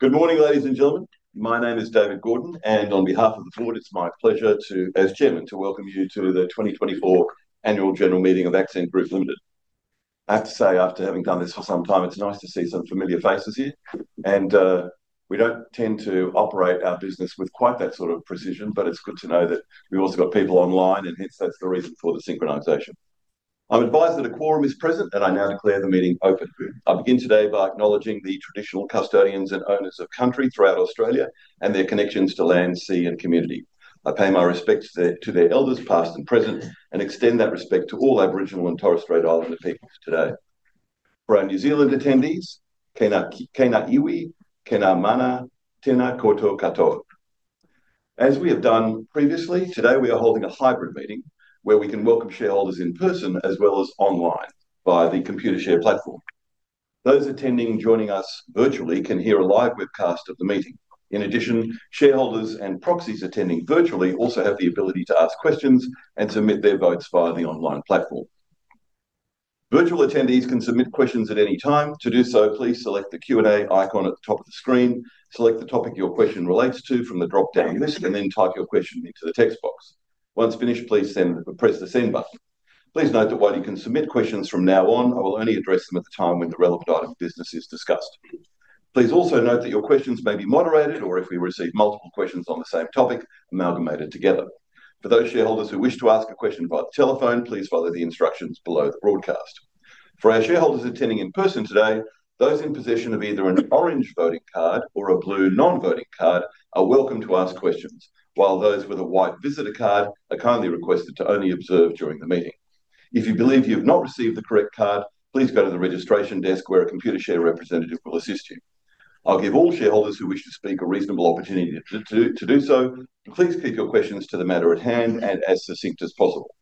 Good morning, ladies and gentlemen. My name is David Gordon, and on behalf of the board, it's my pleasure, as Chairman, to welcome you to the 2024 Annual General Meeting of Accent Group Limited. I have to say, after having done this for some time, it's nice to see some familiar faces here, and we don't tend to operate our business with quite that sort of precision, but it's good to know that we've also got people online, and hence that's the reason for the synchronisation. I'm advised that a quorum is present, and I now declare the meeting open. I begin today by acknowledging the traditional custodians and owners of country throughout Australia and their connections to land, sea, and community. I pay my respects to their elders, past and present, and extend that respect to all Aboriginal and Torres Strait Islander peoples today. For our New Zealand attendees, Tēnā iwi, tēnā mana, tēnā koutou katoa. As we have done previously, today we are holding a hybrid meeting where we can welcome shareholders in person as well as online via the Computershare platform. Those attending joining us virtually can hear a live webcast of the meeting. In addition, shareholders and proxies attending virtually also have the ability to ask questions and submit their votes via the online platform. Virtual attendees can submit questions at any time. To do so, please select the Q&A icon at the top of the screen, select the topic your question relates to from the drop-down list, and then type your question into the text box. Once finished, please press the send button. Please note that while you can submit questions from now on, I will only address them at the time when the relevant item of business is discussed. Please also note that your questions may be moderated, or if we receive multiple questions on the same topic, amalgamated together. For those shareholders who wish to ask a question via telephone, please follow the instructions below the broadcast. For our shareholders attending in person today, those in possession of either an orange voting card or a blue non-voting card are welcome to ask questions, while those with a white visitor card are kindly requested to only observe during the meeting. If you believe you have not received the correct card, please go to the registration desk where a Computershare representative will assist you. I'll give all shareholders who wish to speak a reasonable opportunity to do so. Please keep your questions to the matter at hand and as succinct as possible.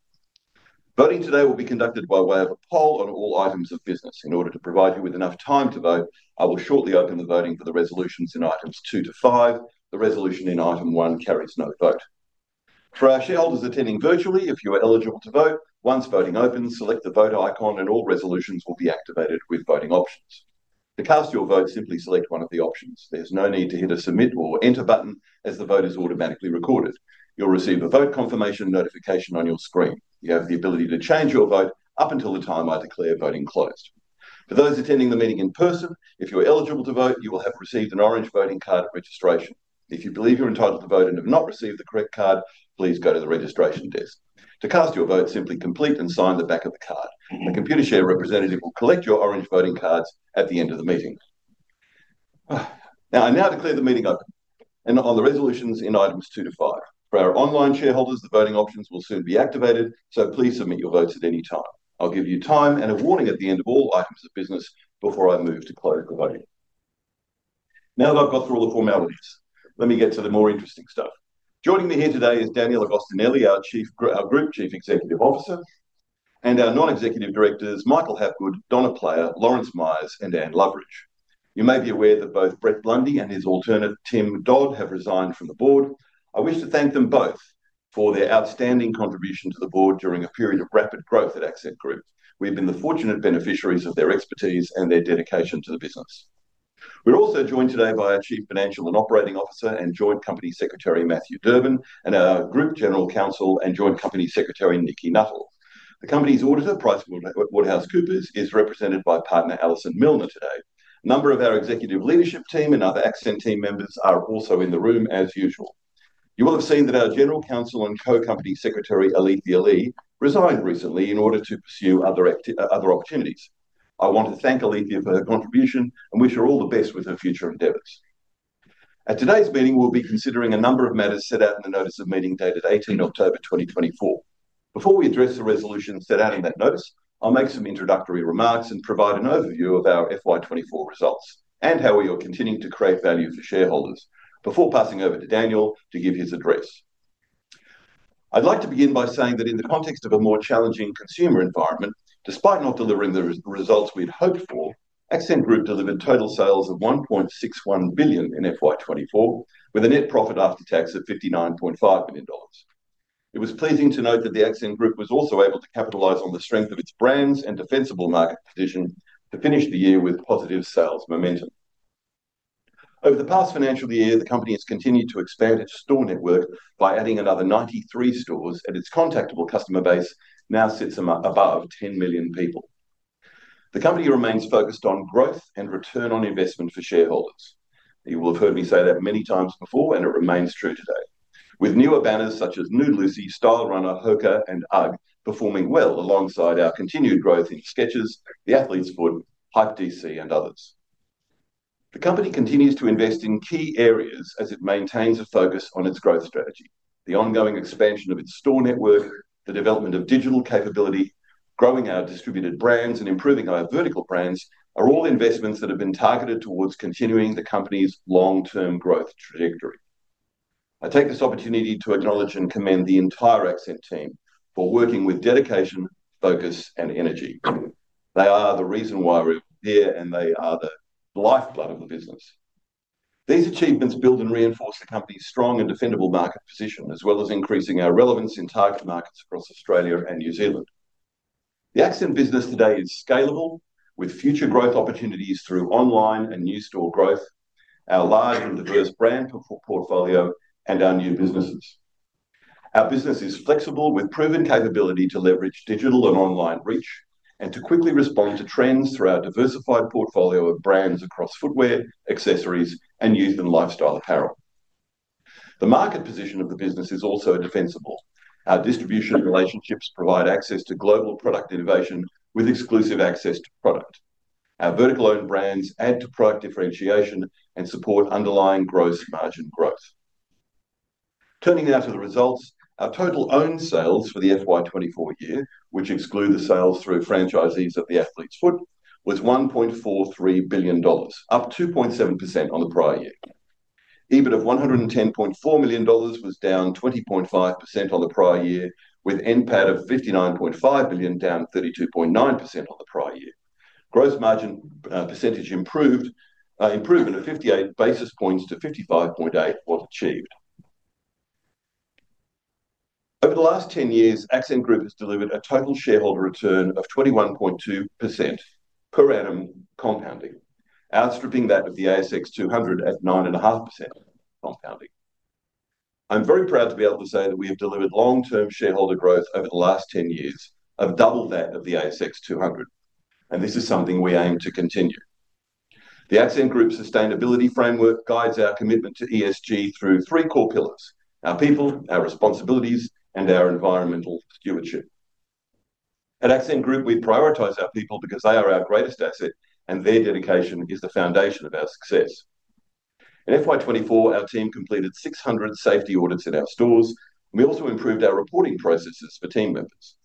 Voting today will be conducted by way of a poll on all items of business. In order to provide you with enough time to vote, I will shortly open the voting for the resolutions in items two to five. The resolution in item one carries no vote. For our shareholders attending virtually, if you are eligible to vote, once voting opens, select the vote icon and all resolutions will be activated with voting options. To cast your vote, simply select one of the options. There's no need to hit a submit or enter button as the vote is automatically recorded. You'll receive a vote confirmation notification on your screen. You have the ability to change your vote up until the time I declare voting closed. For those attending the meeting in person, if you are eligible to vote, you will have received an orange voting card at registration. If you believe you're entitled to vote and have not received the correct card, please go to the registration desk. To cast your vote, simply complete and sign the back of the card. A Computershare representative will collect your orange voting cards at the end of the meeting. Now I declare the meeting open and on the resolutions in items two to five. For our online shareholders, the voting options will soon be activated, so please submit your votes at any time. I'll give you time and a warning at the end of all items of business before I move to close the voting. Now that I've gone through all the formalities, let me get to the more interesting stuff. Joining me here today is Daniel Agostinelli, our Group Chief Executive Officer, and our Non-Executive Directors, Michael Hapgood, Donna Player, Lawrence Myers, and Anne Loveridge. You may be aware that both Brett Blundy and his alternate, Tim Dodd, have resigned from the board. I wish to thank them both for their outstanding contribution to the board during a period of rapid growth at Accent Group. We have been the fortunate beneficiaries of their expertise and their dedication to the business. We're also joined today by our Chief Financial and Operating Officer and Joint Company Secretary, Matthew Durbin, and our Group General Counsel and Joint Company Secretary, Nikki Nuttall. The company's auditor, PricewaterhouseCoopers, is represented by partner, Alison Milner, today. A number of our executive leadership team and other Accent team members are also in the room as usual. You will have seen that our General Counsel and Co-Company Secretary, Alethea Lee, resigned recently in order to pursue other opportunities. I want to thank Alethea for her contribution and wish her all the best with her future endeavors. At today's meeting, we'll be considering a number of matters set out in the notice of meeting dated 18 October 2024. Before we address the resolutions set out in that notice, I'll make some introductory remarks and provide an overview of our FY 2024 results and how we are continuing to create value for shareholders before passing over to Daniel to give his address. I'd like to begin by saying that in the context of a more challenging consumer environment, despite not delivering the results we had hoped for, Accent Group delivered total sales of 1.61 billion in FY 2024, with a net profit after tax of 59.5 million dollars. It was pleasing to note that the Accent Group was also able to capitalize on the strength of its brands and defensible market position to finish the year with positive sales momentum. Over the past financial year, the company has continued to expand its store network by adding another 93 stores, and its contactable customer base now sits above 10 million people. The company remains focused on growth and return on investment for shareholders. You will have heard me say that many times before, and it remains true today. With newer banners such as Nude Lucy, Stylerunner, Hoka, and UGG performing well alongside our continued growth in Skechers, The Athlete’s Foot, Hype DC, and others. The company continues to invest in key areas as it maintains a focus on its growth strategy. The ongoing expansion of its store network, the development of digital capability, growing our distributed brands, and improving our vertical brands are all investments that have been targeted towards continuing the company's long-term growth trajectory. I take this opportunity to acknowledge and commend the entire Accent team for working with dedication, focus, and energy. They are the reason why we're here, and they are the lifeblood of the business. These achievements build and reinforce the company's strong and defendable market position, as well as increasing our relevance in target markets across Australia and New Zealand. The Accent business today is scalable, with future growth opportunities through online and new store growth, our large and diverse brand portfolio, and our new businesses. Our business is flexible, with proven capability to leverage digital and online reach and to quickly respond to trends through our diversified portfolio of brands across footwear, accessories, and youth and lifestyle apparel. The market position of the business is also defensible. Our distribution relationships provide access to global product innovation with exclusive access to product. Our vertical-owned brands add to product differentiation and support underlying gross margin growth. Turning now to the results, our total owned sales for the FY 2024 year, which exclude the sales through franchisees of The Athlete's Foot, was 1.43 billion dollars, up 2.7% on the prior year. EBIT of 110.4 million dollars was down 20.5% on the prior year, with NPAT of 59.5 million down 32.9% on the prior year. Gross margin percentage improved by 58 basis points to 55.8% was achieved. Over the last 10 years, Accent Group has delivered a total shareholder return of 21.2% per annum compounding, outstripping that of the ASX 200 at 9.5% compounding. I'm very proud to be able to say that we have delivered long-term shareholder growth over the last 10 years of double that of the ASX 200, and this is something we aim to continue. The Accent Group's sustainability framework guides our commitment to ESG through three core pillars: our people, our responsibilities, and our environmental stewardship. At Accent Group, we prioritize our people because they are our greatest asset, and their dedication is the foundation of our success. In FY 2024, our team completed 600 safety audits at our stores. We also improved our reporting processes for team members.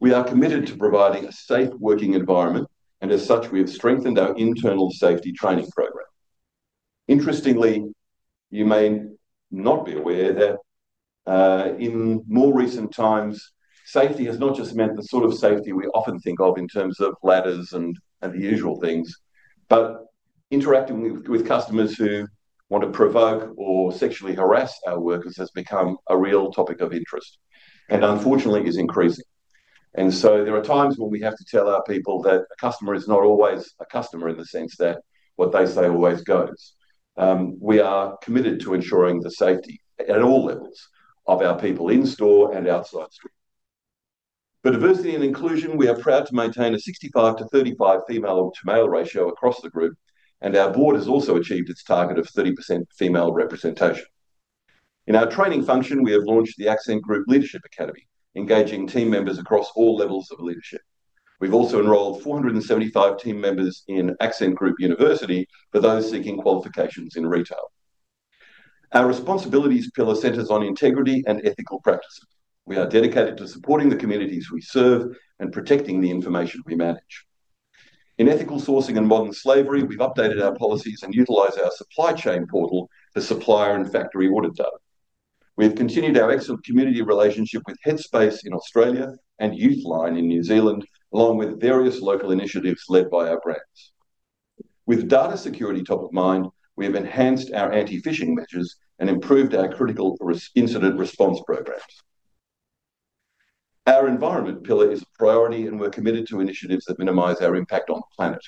We are committed to providing a safe working environment, and as such, we have strengthened our internal safety training program. Interestingly, you may not be aware that in more recent times, safety has not just meant the sort of safety we often think of in terms of ladders and the usual things, but interacting with customers who want to provoke or sexually harass our workers has become a real topic of interest and unfortunately is increasing, and so there are times when we have to tell our people that a customer is not always a customer in the sense that what they say always goes. We are committed to ensuring the safety at all levels of our people in store and outside store. For diversity and inclusion, we are proud to maintain a 65 to 35 female to male ratio across the group, and our board has also achieved its target of 30% female representation. In our training function, we have launched the Accent Group Leadership Academy, engaging team members across all levels of leadership. We've also enrolled 475 team members in Accent Group University for those seeking qualifications in retail. Our responsibilities pillar centers on integrity and ethical practices. We are dedicated to supporting the communities we serve and protecting the information we manage. In ethical sourcing and modern slavery, we've updated our policies and utilized our supply chain portal for supplier and factory audit data. We have continued our excellent community relationship with Headspace in Australia and Youthline in New Zealand, along with various local initiatives led by our brands. With data security top of mind, we have enhanced our anti-phishing measures and improved our critical incident response programs. Our environment pillar is a priority, and we're committed to initiatives that minimize our impact on the planet.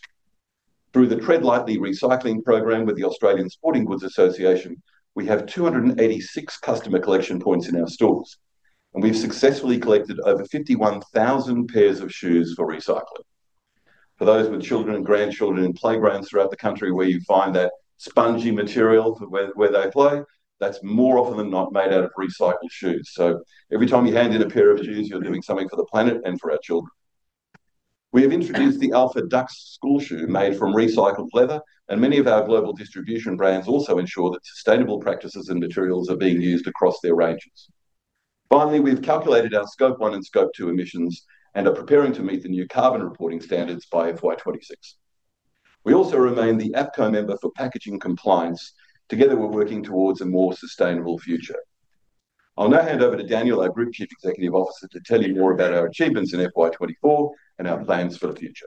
Through the TreadLightly recycling program with the Australian Sporting Goods Association, we have 286 customer collection points in our stores, and we've successfully collected over 51,000 pairs of shoes for recycling. For those with children and grandchildren in playgrounds throughout the country where you find that spongy material for where they play, that's more often than not made out of recycled shoes. So every time you hand in a pair of shoes, you're doing something for the planet and for our children. We have introduced the Alpha Dux school shoe made from recycled leather, and many of our global distribution brands also ensure that sustainable practices and materials are being used across their ranges. Finally, we've calculated our Scope 1 and Scope 2 emissions and are preparing to meet the new carbon reporting standards by FY 2026. We also remain the APCO member for packaging compliance. Together, we're working towards a more sustainable future. I'll now hand over to Daniel, our Group Chief Executive Officer, to tell you more about our achievements in FY 2024 and our plans for the future.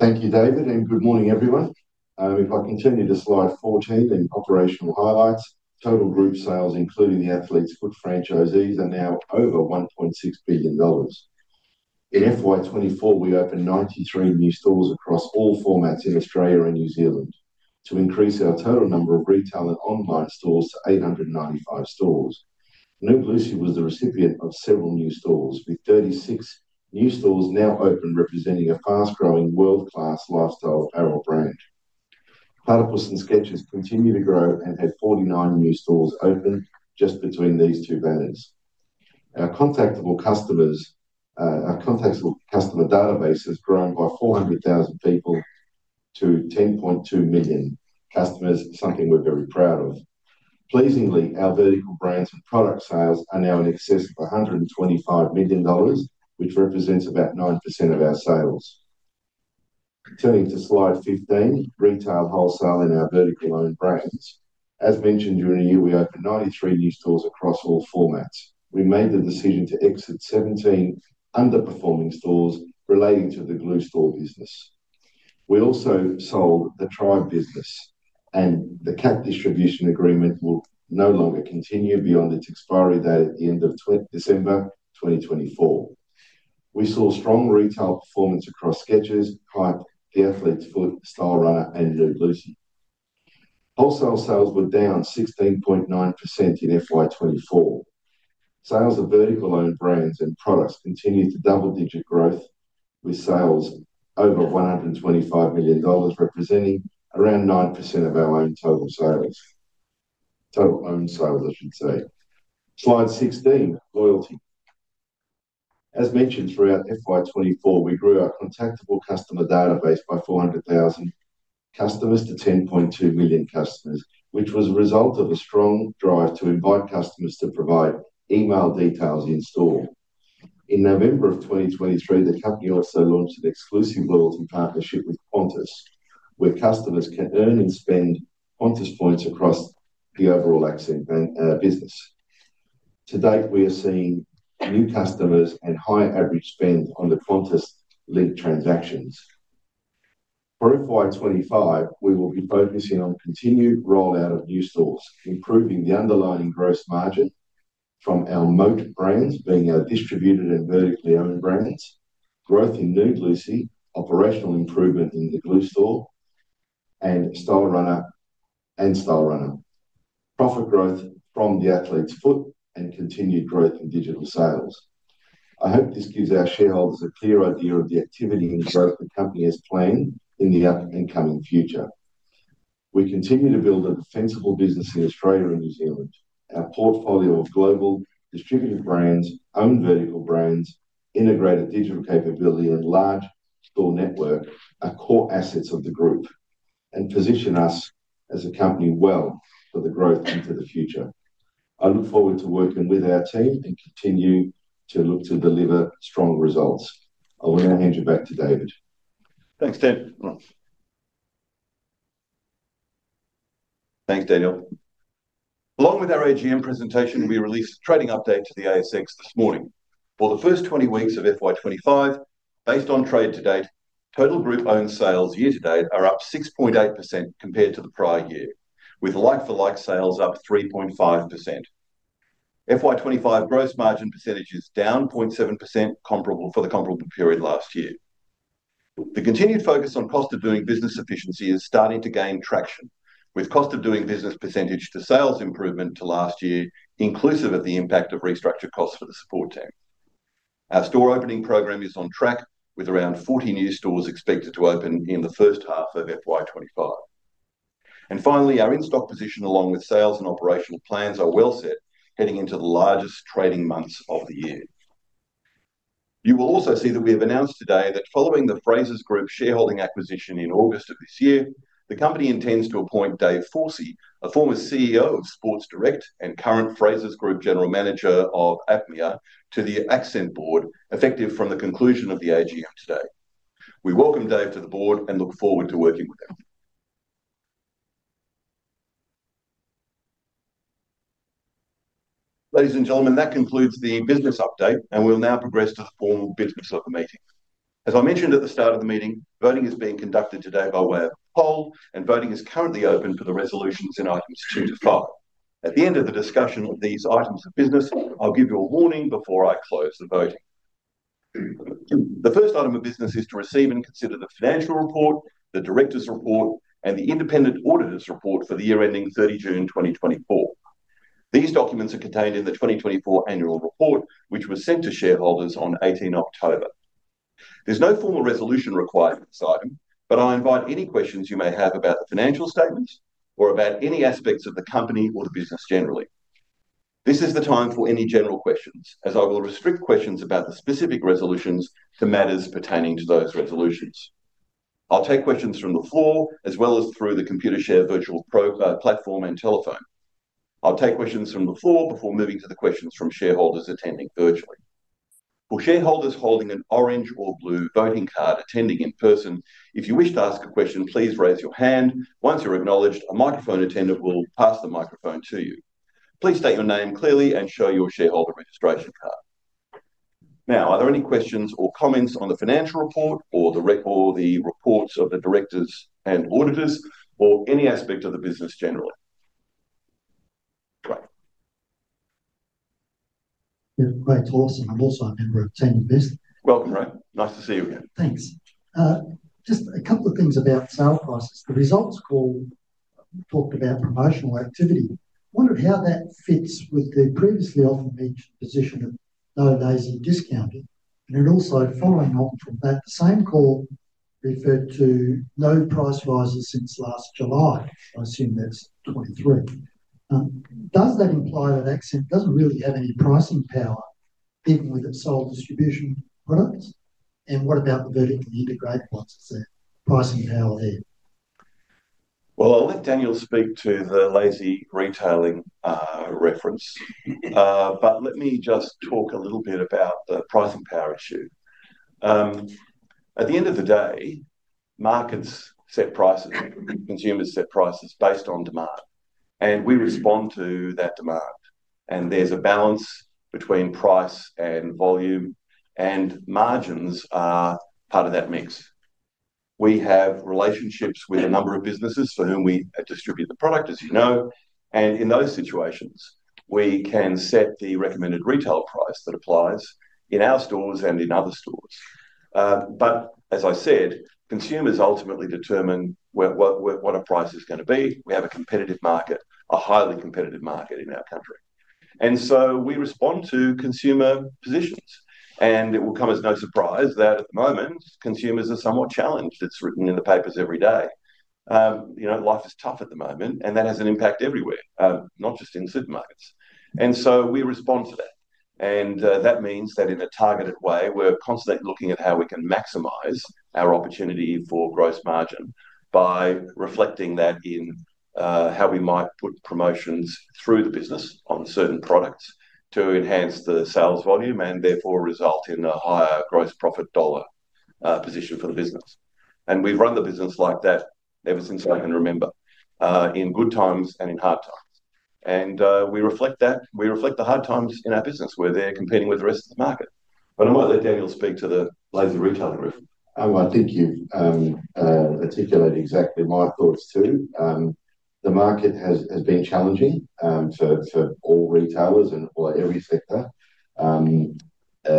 Thank you, David, and good morning, everyone. If I continue to slide 14 in operational highlights, total group sales, including The Athlete's Foot franchisees, are now over 1.6 billion dollars. In FY 2024, we opened 93 new stores across all formats in Australia and New Zealand to increase our total number of retail and online stores to 895 stores. Nude Lucy was the recipient of several new stores, with 36 new stores now open, representing a fast-growing world-class lifestyle apparel brand. Platypus and Skechers continue to grow and have 49 new stores open just between these two banners. Our contactable customer database has grown by 400,000 people to 10.2 million customers, something we're very proud of. Pleasingly, our vertical brands and product sales are now in excess of 125 million dollars, which represents about 9% of our sales. Turning to slide 15, retail wholesale in our vertical-owned brands. As mentioned during the year, we opened 93 new stores across all formats. We made the decision to exit 17 underperforming stores relating to the Glue Store business. We also sold the Trybe business, and the CAT distribution agreement will no longer continue beyond its expiry date at the end of December 2024. We saw strong retail performance across Skechers, Hype, The Athlete's Foot, Stylerunner, and Nude Lucy. Wholesale sales were down 16.9% in FY 2024. Sales of vertical-owned brands and products continued to double-digit growth, with sales over 125 million dollars, representing around 9% of our own total sales. Total owned sales, I should say. Slide 16, loyalty. As mentioned throughout FY 2024, we grew our contactable customer database by 400,000 customers to 10.2 million customers, which was a result of a strong drive to invite customers to provide email details in store. In November of 2023, the company also launched an exclusive loyalty partnership with Qantas, where customers can earn and spend Qantas points across the overall Accent business. To date, we are seeing new customers and high average spend on the Qantas-linked transactions. For FY 2025, we will be focusing on continued rollout of new stores, improving the underlying gross margin from our moat brands being our distributed and vertically owned brands, growth in Nude Lucy, operational improvement in the Glue Store, and Stylerunner, profit growth from The Athlete's Foot, and continued growth in digital sales. I hope this gives our shareholders a clear idea of the activity and growth the company has planned in the up-and-coming future. We continue to build a defensible business in Australia and New Zealand. Our portfolio of global distributed brands, owned vertical brands, integrated digital capability, and large store network are core assets of the group and position us as a company well for the growth into the future. I look forward to working with our team and continue to look to deliver strong results. I will now hand you back to David. Thanks, David. Thanks, Daniel. Along with our AGM presentation, we released a trading update to the ASX this morning. For the first 20 weeks of FY 2025, based on trade to date, total group-owned sales year-to-date are up 6.8% compared to the prior year, with like-for-like sales up 3.5%. FY 2025 gross margin percentage is down 0.7% for the comparable period last year. The continued focus on cost of doing business efficiency is starting to gain traction, with cost of doing business percentage to sales improvement to last year, inclusive of the impact of restructured costs for the support team. Our store opening program is on track, with around 40 new stores expected to open in the first half of FY 2025. And finally, our in-stock position, along with sales and operational plans, are well set heading into the largest trading months of the year. You will also see that we have announced today that following the Frasers Group shareholding acquisition in August of this year, the company intends to appoint Dave Forsey, a former CEO of Sports Direct and current Frasers Group general manager of apparel, to the Accent board effective from the conclusion of the AGM today. We welcome Dave to the board and look forward to working with him. Ladies and gentlemen, that concludes the business update, and we'll now progress to the formal business of the meeting. As I mentioned at the start of the meeting, voting is being conducted today by way of a poll, and voting is currently open for the resolutions in items two to five. At the end of the discussion of these items of business, I'll give you a warning before I close the voting. The first item of business is to receive and consider the financial report, the director's report, and the independent auditor's report for the year ending 30 June 2024. These documents are contained in the 2024 annual report, which was sent to shareholders on 18 October. There's no formal resolution required for this item, but I invite any questions you may have about the financial statements or about any aspects of the company or the business generally. This is the time for any general questions, as I will restrict questions about the specific resolutions to matters pertaining to those resolutions. I'll take questions from the floor as well as through the Computershare virtual platform and telephone. I'll take questions from the floor before moving to the questions from shareholders attending virtually. For shareholders holding an orange or blue voting card attending in person, if you wish to ask a question, please raise your hand. Once you're acknowledged, a microphone attendant will pass the microphone to you. Please state your name clearly and show your shareholder registration card. Now, are there any questions or comments on the financial report or the reports of the directors and auditors or any aspect of the business generally? Right. Yeah, great. Lawson, I'm also a member of Teaminvest. Welcome, Ray. Nice to see you again. Thanks. Just a couple of things about sales prices. The results call talked about promotional activity. I wondered how that fits with the previously often mentioned position of no lazy discounting. And also following on from that, the same call referred to no price rises since last July. I assume that's 2023. Does that imply that Accent doesn't really have any pricing power even with its sole distribution products? And what about the vertically integrated ones? Is there pricing power there? Well, I'll let Daniel speak to the lazy retailing reference, but let me just talk a little bit about the pricing power issue. At the end of the day, markets set prices, consumers set prices based on demand, and we respond to that demand. And there's a balance between price and volume, and margins are part of that mix. We have relationships with a number of businesses for whom we distribute the product, as you know. And in those situations, we can set the recommended retail price that applies in our stores and in other stores. But as I said, consumers ultimately determine what a price is going to be. We have a competitive market, a highly competitive market in our country. And so we respond to consumer positions. And it will come as no surprise that at the moment, consumers are somewhat challenged. It's written in the papers every day. Life is tough at the moment, and that has an impact everywhere, not just in supermarkets. And so we respond to that. That means that in a targeted way, we're constantly looking at how we can maximize our opportunity for gross margin by reflecting that in how we might put promotions through the business on certain products to enhance the sales volume and therefore result in a higher gross profit dollar position for the business. We've run the business like that ever since I can remember, in good times and in hard times. We reflect that. We reflect the hard times in our business where they're competing with the rest of the market. But I might let Daniel speak to the last year's retail results. Oh, I think you've articulated exactly my thoughts too. The market has been challenging for all retailers and for every sector.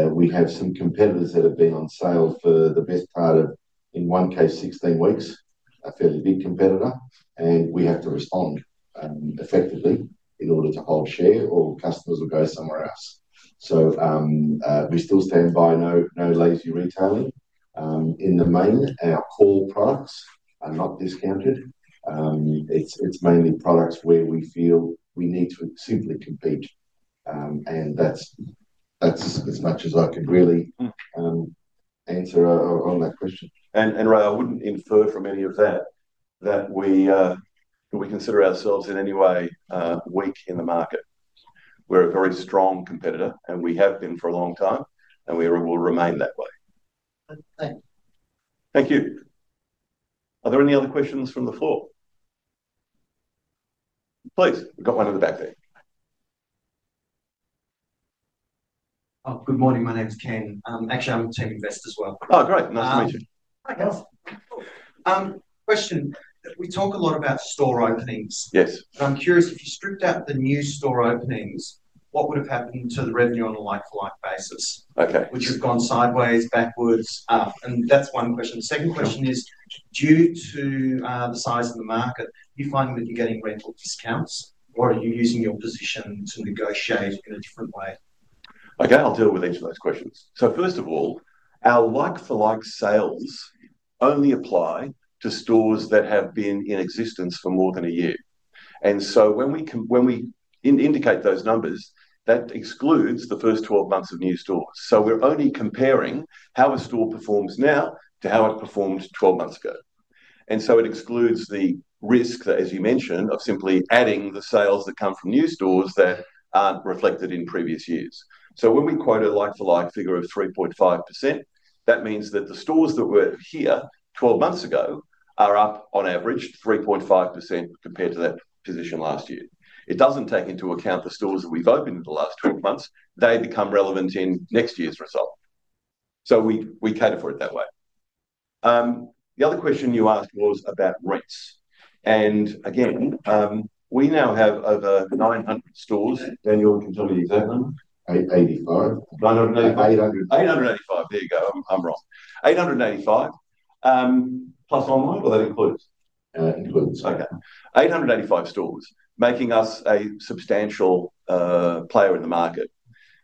We have some competitors that have been on sale for the best part of, in one case, 16 weeks, a fairly big competitor. We have to respond effectively in order to hold share or customers will go somewhere else. So we still stand by no lazy retailing. In the main, our core products are not discounted. It's mainly products where we feel we need to simply compete. And that's as much as I could really answer on that question. And, Ray, I wouldn't infer from any of that that we consider ourselves in any way weak in the market. We're a very strong competitor, and we have been for a long time, and we will remain that way. Thank you. Are there any other questions from the floor? Please. We've got one in the back there. Good morning. My name's Ken. Actually, I'm Teaminvest as well. Oh, great. Nice to meet you. Hi, guys. Question. We talk a lot about store openings. Yes. But I'm curious, if you stripped out the new store openings, what would have happened to the revenue on a like-for-like basis? Would you have gone sideways, backwards? And that's one question. The second question is, due to the size of the market, are you finding that you're getting rental discounts, or are you using your position to negotiate in a different way? Okay, I'll deal with each of those questions. So first of all, our like-for-like sales only apply to stores that have been in existence for more than a year. And so when we indicate those numbers, that excludes the first 12 months of new stores. So we're only comparing how a store performs now to how it performed 12 months ago. And so it excludes the risk, as you mentioned, of simply adding the sales that come from new stores that aren't reflected in previous years. So when we quote a like-for-like figure of 3.5%, that means that the stores that were here 12 months ago are up on average 3.5% compared to that position last year. It doesn't take into account the stores that we've opened in the last 12 months. They become relevant in next year's result. So we cater for it that way. The other question you asked was about rates. And again, we now have over 900 stores. Daniel, can you tell me the exact number? 885. 885. 885. There you go. I'm wrong. 885 plus online? What that includes? Includes. Okay. 885 stores, making us a substantial player in the market.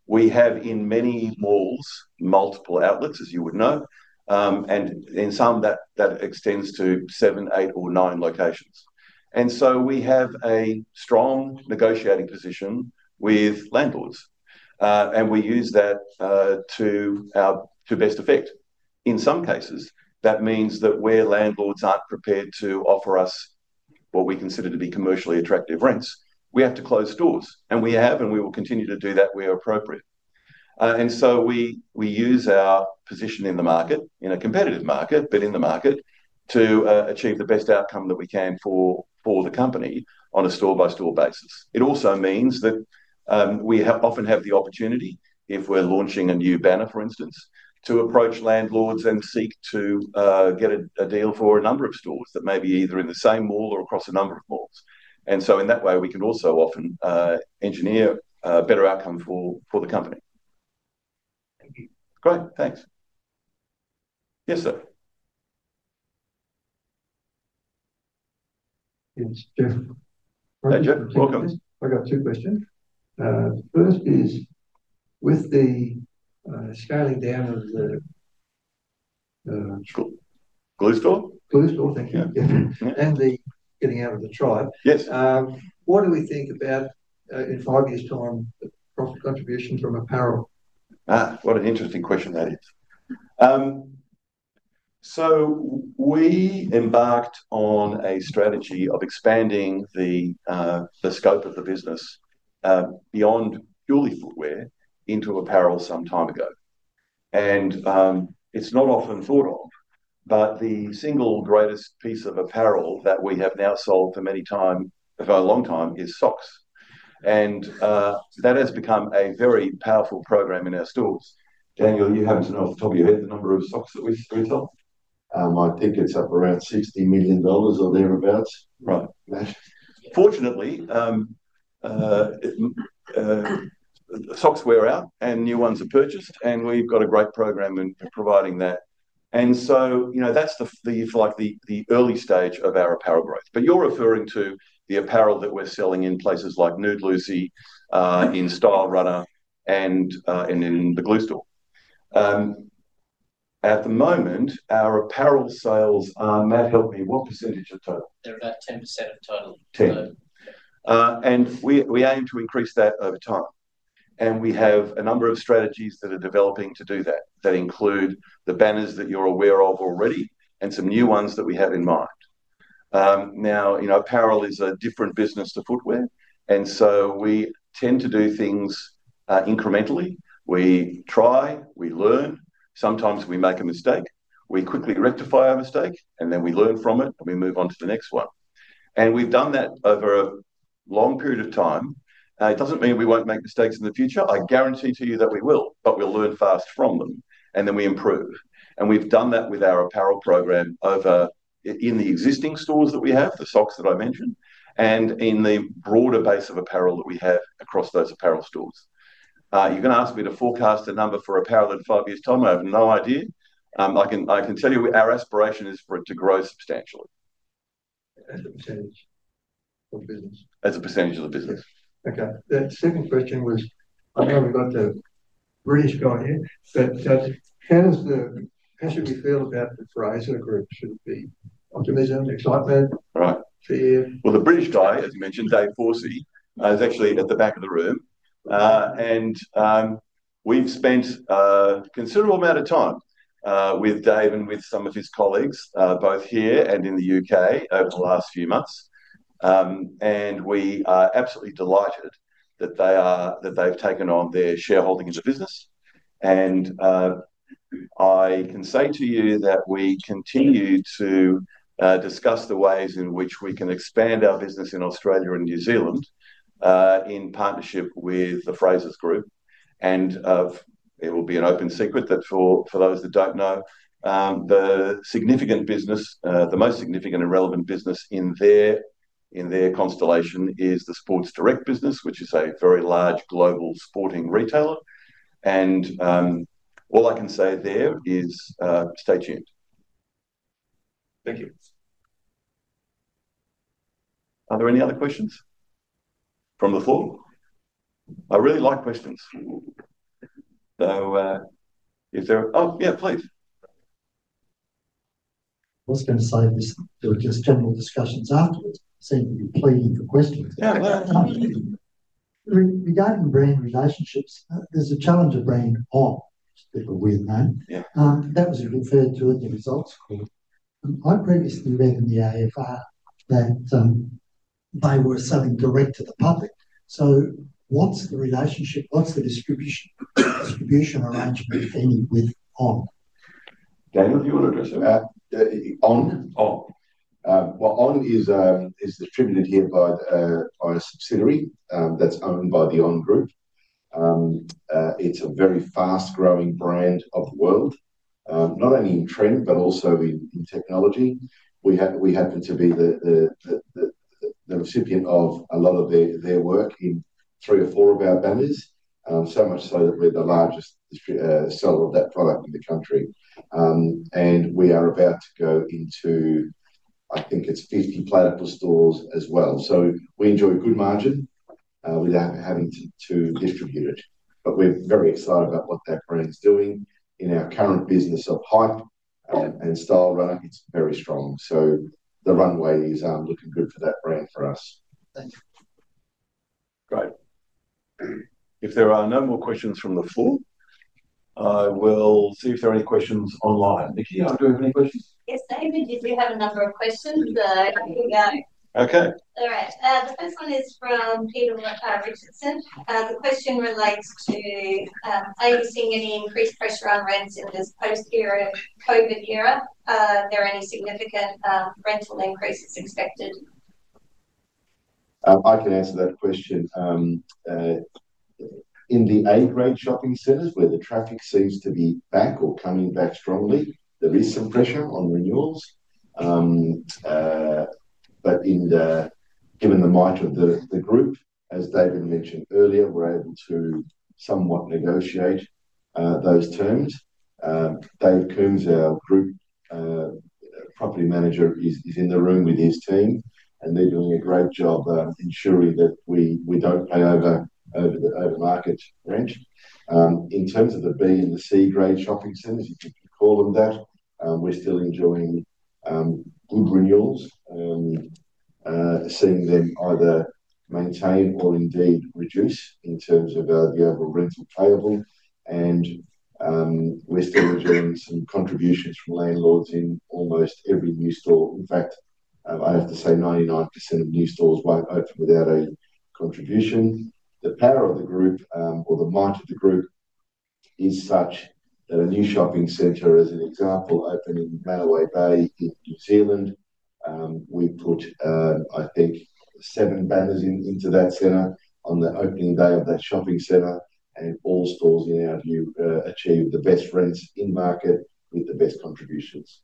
We have in many malls multiple outlets, as you would know, and in some, that extends to seven, eight, or nine locations. And so we have a strong negotiating position with landlords, and we use that to best effect. In some cases, that means that where landlords aren't prepared to offer us what we consider to be commercially attractive rents, we have to close stores. And we have, and we will continue to do that where appropriate. And so we use our position in the market, in a competitive market, but in the market, to achieve the best outcome that we can for the company on a store-by-store basis. It also means that we often have the opportunity, if we're launching a new banner, for instance, to approach landlords and seek to get a deal for a number of stores that may be either in the same mall or across a number of malls. And so in that way, we can also often engineer a better outcome for the company. Thank you. Great. Thanks. Yes, sir. Yes, Jeff. Hey, Jeff. Welcome. I've got two questions. First is, with the scaling down of the Glue Store. Glue Store. Thank you. And the getting out of Trybe. Yes. What do we think about, in five years' time, the profit contribution from apparel? What an interesting question that is. So we embarked on a strategy of expanding the scope of the business beyond purely footwear into apparel some time ago. And it's not often thought of, but the single greatest piece of apparel that we have now sold for a long time is socks. And that has become a very powerful program in our stores. Daniel, you happen to know off the top of your head the number of socks that we retail? I think it's up around AUD 60 million or thereabouts. Right. Fortunately, socks wear out, and new ones are purchased, and we've got a great program in providing that. And so that's the early stage of our apparel growth. But you're referring to the apparel that we're selling in places like Nude Lucy, in Stylerunner, and in the Glue Store. At the moment, our apparel sales are, Matt, help me, what percentage of total? They're about 10% of total. 10. And we aim to increase that over time. And we have a number of strategies that are developing to do that, that include the banners that you're aware of already and some new ones that we have in mind. Now, apparel is a different business to footwear, and so we tend to do things incrementally. We try, we learn. Sometimes we make a mistake. We quickly rectify our mistake, and then we learn from it, and we move on to the next one. And we've done that over a long period of time. It doesn't mean we won't make mistakes in the future. I guarantee to you that we will, but we'll learn fast from them, and then we improve, and we've done that with our apparel program in the existing stores that we have, the socks that I mentioned, and in the broader base of apparel that we have across those apparel stores. You're going to ask me to forecast a number for apparel in five years' time. I have no idea. I can tell you our aspiration is for it to grow substantially. As a percentage of the business. As a percentage of the business. Okay. That second question was, I know we've got the British guy here, but how should we feel about the Frasers Group? Should it be optimism, excitement, fear? Right, well, the British guy, as you mentioned, Dave Forsey, is actually at the back of the room. And we've spent a considerable amount of time with Dave and with some of his colleagues, both here and in the U.K., over the last few months. And we are absolutely delighted that they've taken on their shareholding in the business. And I can say to you that we continue to discuss the ways in which we can expand our business in Australia and New Zealand in partnership with the Frasers Group. And it will be an open secret that for those that don't know, the significant business, the most significant and relevant business in their constellation is the Sports Direct business, which is a very large global sporting retailer. And all I can say there is, stay tuned. Thank you. Are there any other questions from the floor? I really like questions. Oh, yeah, please. I was going to say there were just general discussions afterwards. It seemed to be pleading for questions. Yeah, well, regarding brand relationships, there's a challenge of brand On, which is a bit of a weird name. That was referred to in the results call. I previously read in the AFR that they were selling direct to the public. So what's the relationship? What's the distribution arrangement, if any, with On? Daniel, do you want to address it? On? On. Well, On is distributed here by a subsidiary that's owned by the On Group. It's a very fast-growing brand of the world, not only in trend, but also in technology. We happen to be the recipient of a lot of their work in three or four of our banners, so much so that we're the largest seller of that product in the country. And we are about to go into, I think it's 50 Platypus stores as well. So we enjoy good margin without having to distribute it. But we're very excited about what that brand's doing. In our current business of Hype and Stylerunner, it's very strong. So the runway is looking good for that brand for us. Thank you. Great. If there are no more questions from the floor, I will see if there are any questions online. Nikki, do you have any questions? Yes, David, did we have a number of questions? Okay. All right. The first one is from Peter Richardson. The question relates to, are you seeing any increased pressure on rents in this post-COVID era? Are there any significant rental increases expected? I can answer that question. In the A-grade shopping centers, where the traffic seems to be back or coming back strongly, there is some pressure on renewals. But given the might of the group, as David mentioned earlier, we're able to somewhat negotiate those terms. Dave Coombes, our group property manager, is in the room with his team, and they're doing a great job ensuring that we don't pay over the market range. In terms of the B and the C-grade shopping centers, if you can call them that, we're still enjoying good renewals, seeing them either maintain or indeed reduce in terms of the overall rental payable. And we're still enjoying some contributions from landlords in almost every new store. In fact, I have to say 99% of new stores won't open without a contribution. The power of the group, or the might of the group, is such that a new shopping center, as an example, opened in Manawa Bay in New Zealand. We put, I think, seven banners into that center on the opening day of that shopping center, and all stores in our view achieved the best rents in market with the best contributions.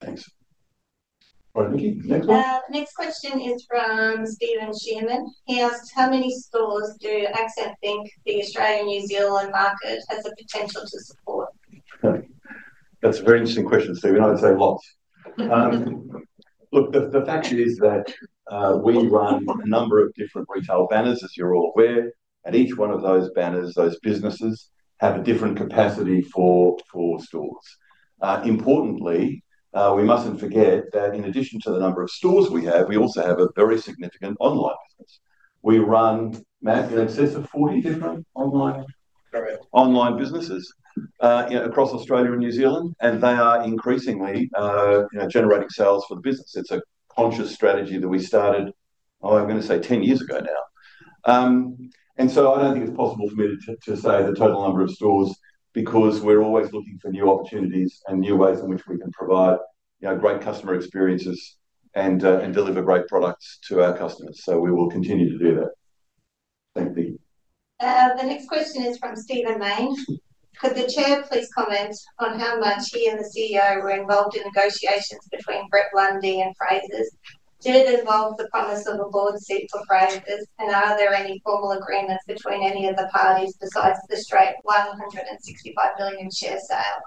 Thanks. All right, Nikki, next one. Next question is from Stephen Sherman. He asked, how many stores do Accent think the Australia-New Zealand market has the potential to support? That's a very interesting question, Stephen. I'd say lots. Look, the fact is that we run a number of different retail banners, as you're all aware. At each one of those banners, those businesses have a different capacity for stores. Importantly, we mustn't forget that in addition to the number of stores we have, we also have a very significant online business. We run an excess of 40 different online businesses across Australia and New Zealand, and they are increasingly generating sales for the business. It's a conscious strategy that we started, oh, I'm going to say, 10 years ago now, and so I don't think it's possible for me to say the total number of stores because we're always looking for new opportunities and new ways in which we can provide great customer experiences and deliver great products to our customers, so we will continue to do that. Thank you. The next question is from Stephen Mayne. Could the chair please comment on how much he and the CEO were involved in negotiations between Brett Blundy and Frasers? Did it involve the promise of a board seat for Frasers? And are there any formal agreements between any of the parties besides the straight 165 million share sale?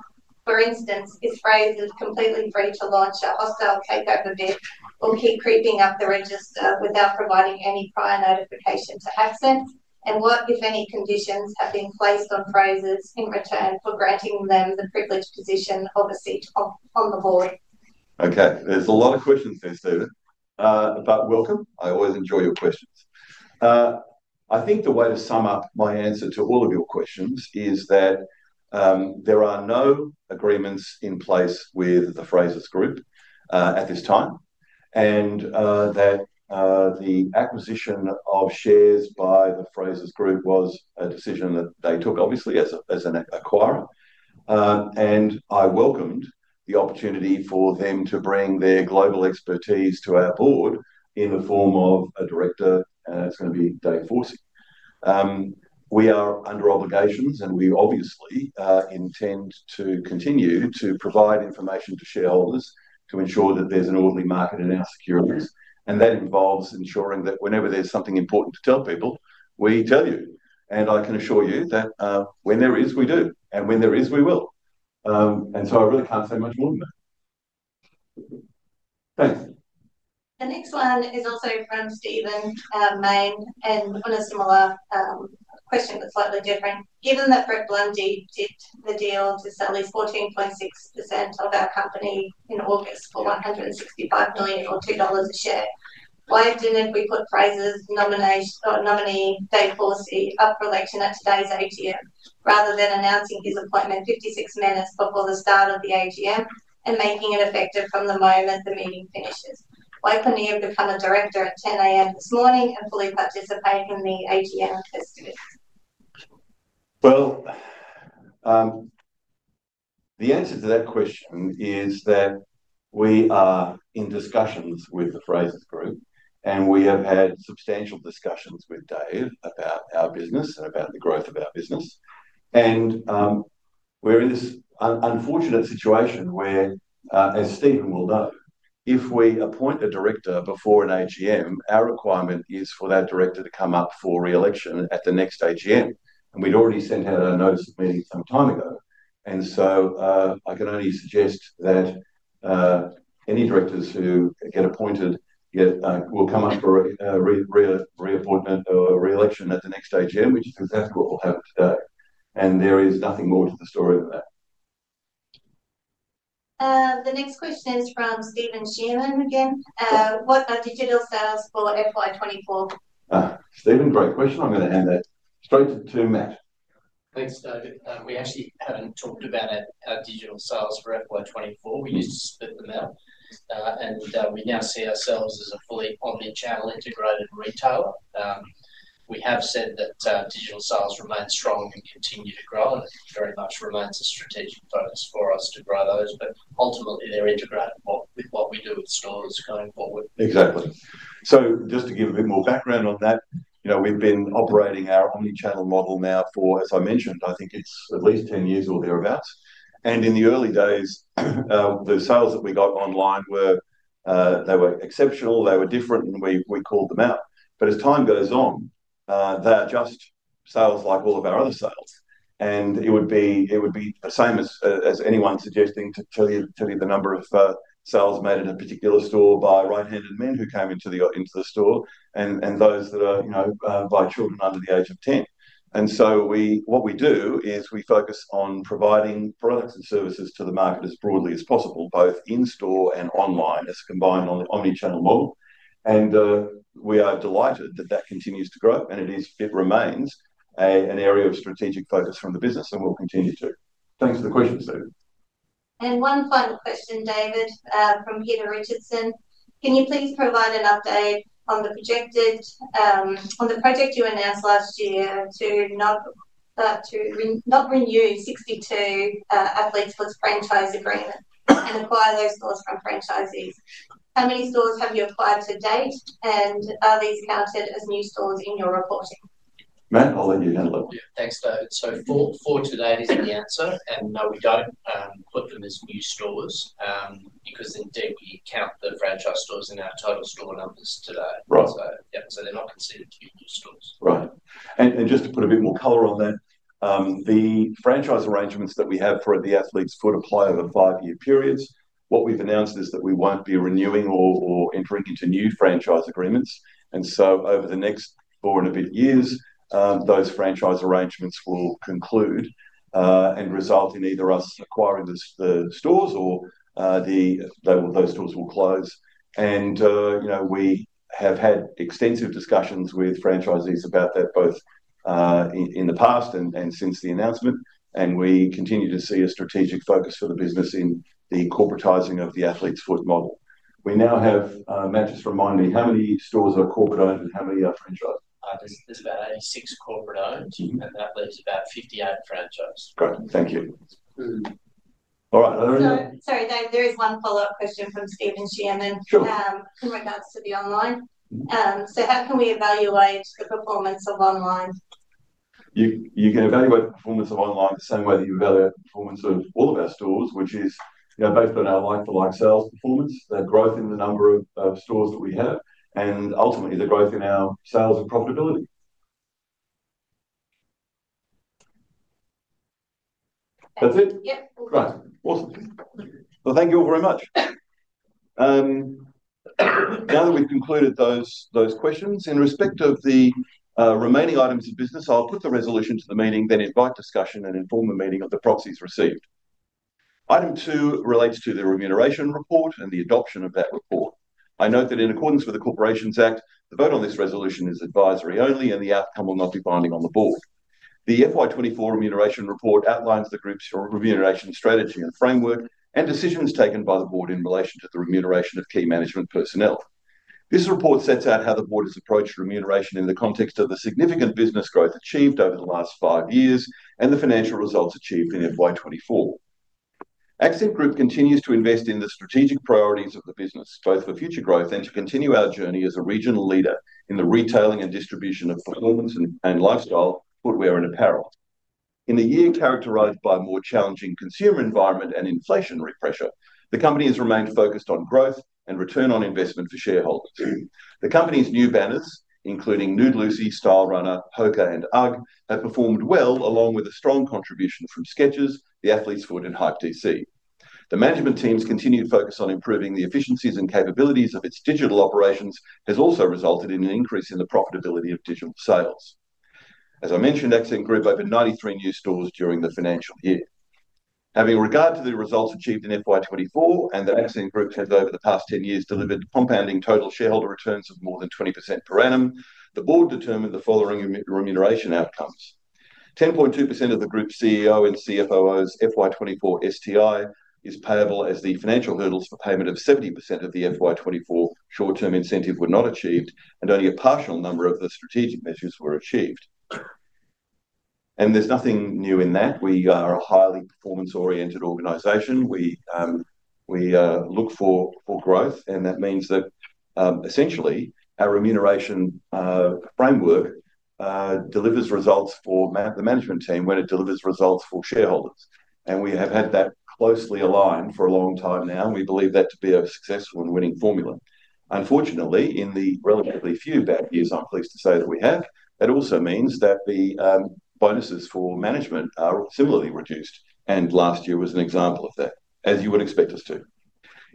For instance, is Frasers completely free to launch a hostile takeover bid or keep creeping up the register without providing any prior notification to Accent? What, if any, conditions have been placed on Frasers in return for granting them the privileged position of a seat on the board? Okay. There's a lot of questions there, Stephen. But welcome. I always enjoy your questions. I think the way to sum up my answer to all of your questions is that there are no agreements in place with the Frasers Group at this time, and that the acquisition of shares by the Frasers Group was a decision that they took, obviously, as an acquirer. And I welcomed the opportunity for them to bring their global expertise to our board in the form of a director. It's going to be Dave Forsey. We are under obligations, and we obviously intend to continue to provide information to shareholders to ensure that there's an orderly market in our securities. That involves ensuring that whenever there's something important to tell people, we tell you. And I can assure you that when there is, we do. And when there is, we will. And so I really can't say much more than that. Thanks. The next one is also from Stephen Mayne and on a similar question but slightly different. Given that Brett Blundy tipped the deal to sell his 14.6% of our company in August for 165 million or 2 dollars a share, why didn't we put Frasers' nominee, Dave Forsey, up for election at today's AGM rather than announcing his appointment 56 minutes before the start of the AGM and making it effective from the moment the meeting finishes? Why couldn't he have become a director at 10:00 A.M. this morning and fully participate in the AGM this week? The answer to that question is that we are in discussions with the Frasers Group, and we have had substantial discussions with Dave about our business and about the growth of our business. We're in this unfortunate situation where, as Stephen will know, if we appoint a director before an AGM, our requirement is for that director to come up for re-election at the next AGM. We'd already sent out a notice of meeting some time ago. So I can only suggest that any directors who get appointed will come up for reappointment or re-election at the next AGM, which is exactly what we'll have today. There is nothing more to the story than that. The next question is from Stephen Sherman again. What are digital sales for FY 2024? Stephen, great question. I'm going to hand that straight to Matt. Thanks, David. We actually haven't talked about our digital sales for FY 2024. We used to split them out, and we now see ourselves as a fully omnichannel integrated retailer. We have said that digital sales remain strong and continue to grow, and it very much remains a strategic focus for us to grow those. But ultimately, they're integrated with what we do with stores going forward. Exactly. So just to give a bit more background on that, we've been operating our omnichannel model now for, as I mentioned, I think it's at least 10 years or thereabouts. And in the early days, the sales that we got online, they were exceptional. They were different, and we called them out. But as time goes on, they are just sales like all of our other sales. It would be the same as anyone suggesting to tell you the number of sales made in a particular store by right-handed men who came into the store and those that are by children under the age of 10. So what we do is we focus on providing products and services to the market as broadly as possible, both in store and online, as combined on the omnichannel model. We are delighted that that continues to grow, and it remains an area of strategic focus from the business, and we'll continue to. Thanks for the question, Stephen. One final question, David, from Peter Richardson. Can you please provide an update on the project you announced last year to not renew 62 Athlete's Foot franchise agreements and acquire those stores from franchisees? How many stores have you acquired to date, and are these counted as new stores in your reporting? Matt, I'll let you handle it. Thanks, David. So for today, there's an answer, and we don't put them as new stores because, indeed, we count the franchise stores in our total store numbers today. So they're not considered new stores. Right. And just to put a bit more color on that, the franchise arrangements that we have for The Athlete's Foot could apply over five-year periods. What we've announced is that we won't be renewing or entering into new franchise agreements. And so over the next four and a bit years, those franchise arrangements will conclude and result in either us acquiring the stores or those stores will close. We have had extensive discussions with franchisees about that, both in the past and since the announcement, and we continue to see a strategic focus for the business in the corporatizing of the Athlete's Foot model. We now have. Matt, just remind me, how many stores are corporate-owned and how many are franchise? There's about 86 corporate-owned, and that leaves about 58 franchise. Great. Thank you. All right. Sorry, Dave. There is one follow-up question from Stephen Sherman in regards to the online. So how can we evaluate the performance of online? You can evaluate the performance of online the same way that you evaluate the performance of all of our stores, which is based on our like-for-like sales performance, the growth in the number of stores that we have, and ultimately, the growth in our sales and profitability. That's it? Yep. Great. Awesome. Thank you all very much. Now that we've concluded those questions, in respect of the remaining items of business, I'll put the resolution to the meeting, then invite discussion and inform the meeting of the proxies received. Item two relates to the remuneration report and the adoption of that report. I note that in accordance with the Corporations Act, the vote on this resolution is advisory only, and the outcome will not be binding on the board. The FY 2024 remuneration report outlines the group's remuneration strategy and framework and decisions taken by the board in relation to the remuneration of key management personnel. This report sets out how the board has approached remuneration in the context of the significant business growth achieved over the last five years and the financial results achieved in FY 2024. Accent Group continues to invest in the strategic priorities of the business, both for future growth and to continue our journey as a regional leader in the retailing and distribution of performance and lifestyle footwear and apparel. In the year characterized by a more challenging consumer environment and inflationary pressure, the company has remained focused on growth and return on investment for shareholders. The company's new banners, including Nude Lucy, Stylerunner, Hoka, and UGG, have performed well, along with a strong contribution from Skechers, The Athlete's Foot, and Hype DC. The management team's continued focus on improving the efficiencies and capabilities of its digital operations has also resulted in an increase in the profitability of digital sales. As I mentioned, Accent Group opened 93 new stores during the financial year. Having regard to the results achieved in FY 2024 and that Accent Group has, over the past 10 years, delivered compounding total shareholder returns of more than 20% per annum, the board determined the following remuneration outcomes. 10.2% of the group's CEO and CFO's FY 2024 STI is payable as the financial hurdles for payment of 70% of the FY 2024 short-term incentive were not achieved, and only a partial number of the strategic measures were achieved. And there's nothing new in that. We are a highly performance-oriented organization. We look for growth, and that means that, essentially, our remuneration framework delivers results for the management team when it delivers results for shareholders. And we have had that closely aligned for a long time now, and we believe that to be a successful and winning formula. Unfortunately, in the relatively few bad years I'm pleased to say that we have, that also means that the bonuses for management are similarly reduced, and last year was an example of that, as you would expect us to.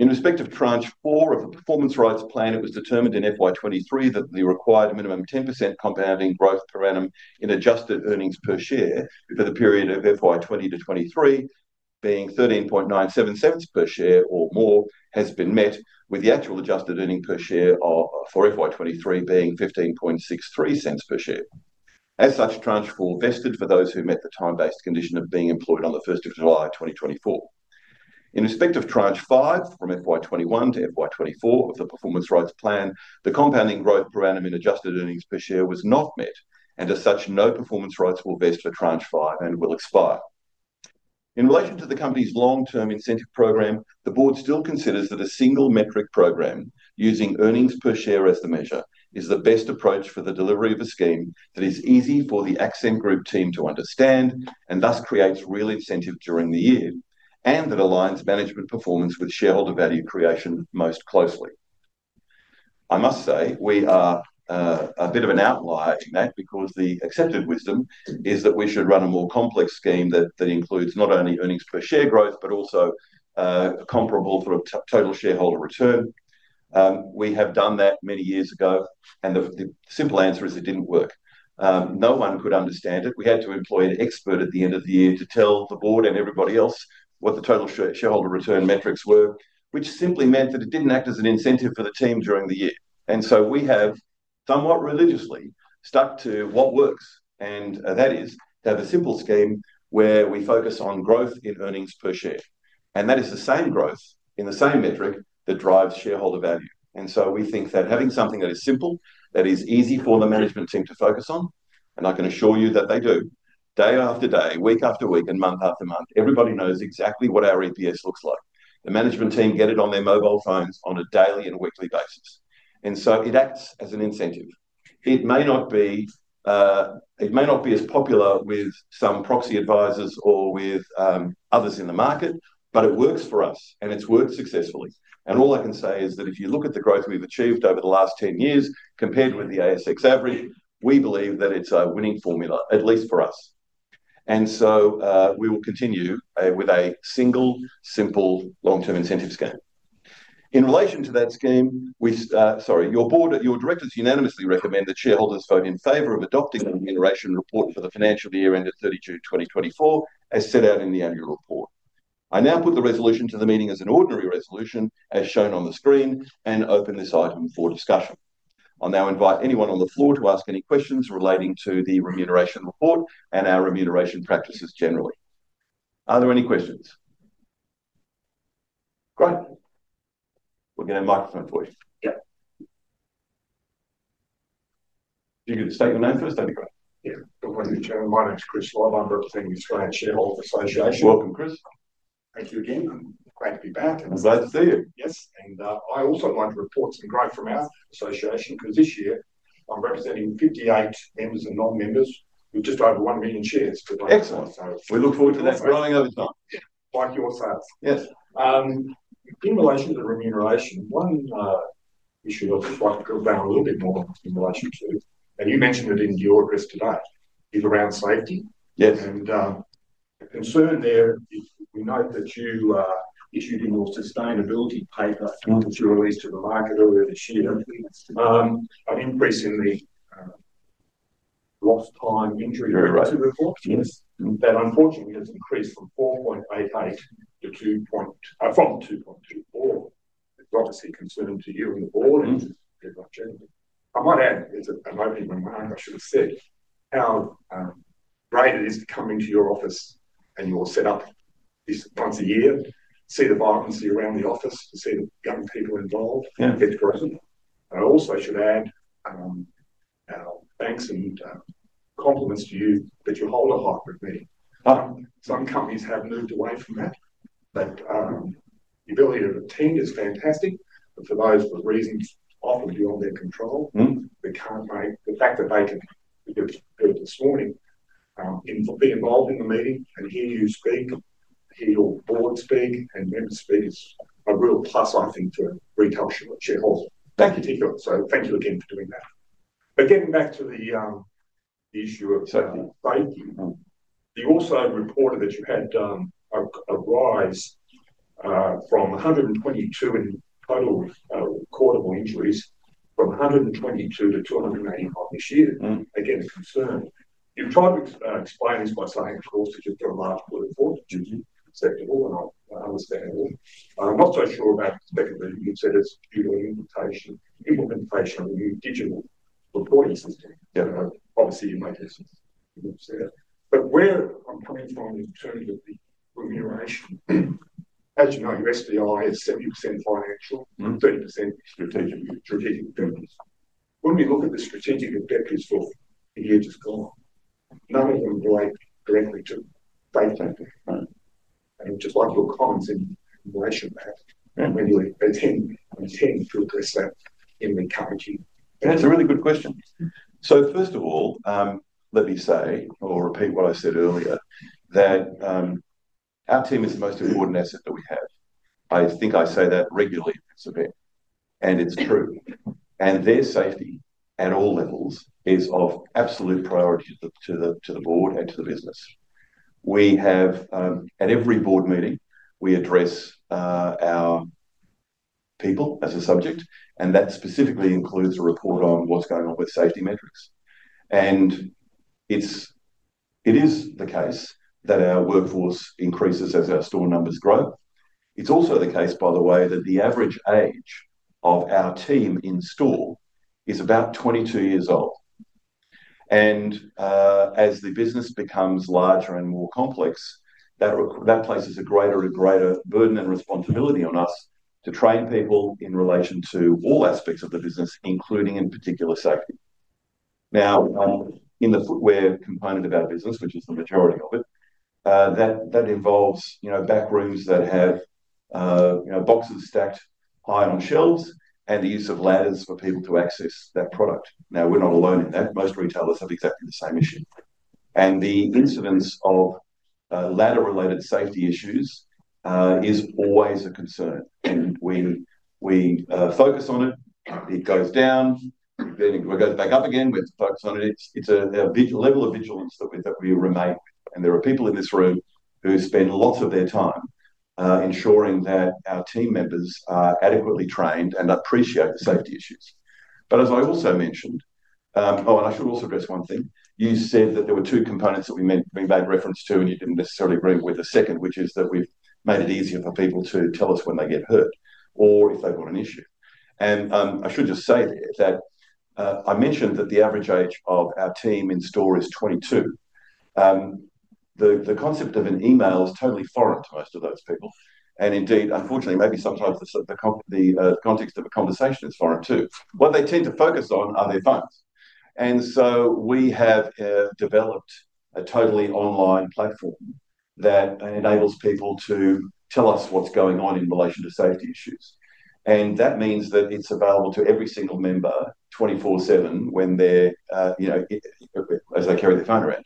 In respect of tranche four of the performance rights plan, it was determined in FY 2023 that the required minimum 10% compounding growth per annum in adjusted earnings per share for the period of FY 2020 to 2023, being 0.1397 per share or more, has been met, with the actual adjusted earnings per share for FY 2023 being 0.1563 per share. As such, tranche four vested for those who met the time-based condition of being employed on the July 1st, 2024. In respect of tranche five from FY 2021 to FY 2024 of the performance rights plan, the compounding growth per annum in adjusted earnings per share was not met, and as such, no performance rights will vest for tranche five and will expire. In relation to the company's long-term incentive program, the board still considers that a single metric program using earnings per share as the measure is the best approach for the delivery of a scheme that is easy for the Accent Group team to understand and thus creates real incentive during the year and that aligns management performance with shareholder value creation most closely. I must say we are a bit of an outlier, Matt, because the accepted wisdom is that we should run a more complex scheme that includes not only earnings per share growth but also a comparable sort of total shareholder return. We have done that many years ago, and the simple answer is it didn't work. No one could understand it. We had to employ an expert at the end of the year to tell the board and everybody else what the total shareholder return metrics were, which simply meant that it didn't act as an incentive for the team during the year. And so we have somewhat religiously stuck to what works, and that is to have a simple scheme where we focus on growth in earnings per share. And that is the same growth in the same metric that drives shareholder value. And so we think that having something that is simple, that is easy for the management team to focus on, and I can assure you that they do, day after day, week after week, and month after month, everybody knows exactly what our EPS looks like. The management team get it on their mobile phones on a daily and weekly basis. So it acts as an incentive. It may not be as popular with some proxy advisors or with others in the market, but it works for us, and it's worked successfully. All I can say is that if you look at the growth we've achieved over the last 10 years compared with the ASX average, we believe that it's a winning formula, at least for us. So we will continue with a single, simple long-term incentive scheme. In relation to that scheme, your board, your directors unanimously recommend that shareholders vote in favor of adopting the remuneration report for the financial year ended June 30, 2024 as set out in the annual report. I now put the resolution to the meeting as an ordinary resolution, as shown on the screen, and open this item for discussion. I'll now invite anyone on the floor to ask any questions relating to the remuneration report and our remuneration practices generally. Are there any questions? Great. We'll get a microphone for you. Yep. If you could state your name first, that'd be great. Yeah. Good morning, Mr. Chairman. My name's Chris Love. I'm representing the Australian Shareholders Association. Welcome, Chris. Thank you again. Great to be back. I'm glad to see you. Yes. And I also wanted to report some growth from our association because this year I'm representing 58 members and non-members with just over 1 million shares. Excellent. So we look forward to that growing over time. Like yourselves. Yes. In relation to the remuneration, one issue I'd just like to drill down a little bit more in relation to, and you mentioned it in your address today, is around safety. And the concern there is we note that you issued your sustainability paper that you released to the market earlier this year of an increase in the lost time injury rates that unfortunately has increased from 2.24 to 4.88. It's obviously a concern to you and the board and everyone generally. I might add, as I know people in my own group should have said, how great it is to come into your office and your setup once a year, see the vibrancy around the office, to see the young people involved, and see the growth. I also should add, our thanks and compliments to you that you hold a heart with me. Some companies have moved away from that, but the ability to attend is fantastic. But for those with reasons often beyond their control, they can't make it, the fact that they can be here this morning, be involved in the meeting and hear you speak, hear your board speak, and then speak is a real plus, I think, for retail shareholders. Thank you. So thank you again for doing that. But getting back to the issue of safety, you also reported that you had a rise from 122 to 285 total recordable injuries this year, again, a concern. You've tried to explain this by saying, of course, that you've got a large body of stores, and that's acceptable and understandable. I'm not so sure about the fact that you said it's due to an implementation of a new digital reporting system. Obviously, you made a mistake. But where I'm coming from in terms of the remuneration, as you know, your STI is 70% financial, 30% strategic in terms. When we look at the strategic objectives, none of them relate directly to safety. And just like your comments in remuneration matter, when you attempt to address that in recovery. That's a really good question. So first of all, let me say or repeat what I said earlier, that our team is the most important asset that we have. I think I say that regularly at this event, and it's true. And their safety at all levels is of absolute priority to the board and to the business. At every board meeting, we address our people as a subject, and that specifically includes a report on what's going on with safety metrics. It is the case that our workforce increases as our store numbers grow. It's also the case, by the way, that the average age of our team in store is about 22 years old. As the business becomes larger and more complex, that places a greater and greater burden and responsibility on us to train people in relation to all aspects of the business, including in particular safety. Now, in the footwear component of our business, which is the majority of it, that involves back rooms that have boxes stacked high on shelves and the use of ladders for people to access that product. Now, we're not alone in that. Most retailers have exactly the same issue. The incidence of ladder-related safety issues is always a concern. We focus on it. It goes down. It goes back up again. We have to focus on it. It's a level of vigilance that we remain. And there are people in this room who spend lots of their time ensuring that our team members are adequately trained and appreciate the safety issues. But as I also mentioned, oh, and I should also address one thing. You said that there were two components that we made reference to, and you didn't necessarily agree with the second, which is that we've made it easier for people to tell us when they get hurt or if they've got an issue. And I should just say that I mentioned that the average age of our team in store is 22. The concept of an email is totally foreign to most of those people. And indeed, unfortunately, maybe sometimes the context of a conversation is foreign too. What they tend to focus on are their phones. We have developed a totally online platform that enables people to tell us what's going on in relation to safety issues. That means that it's available to every single member 24/7 when they're as they carry their phone around.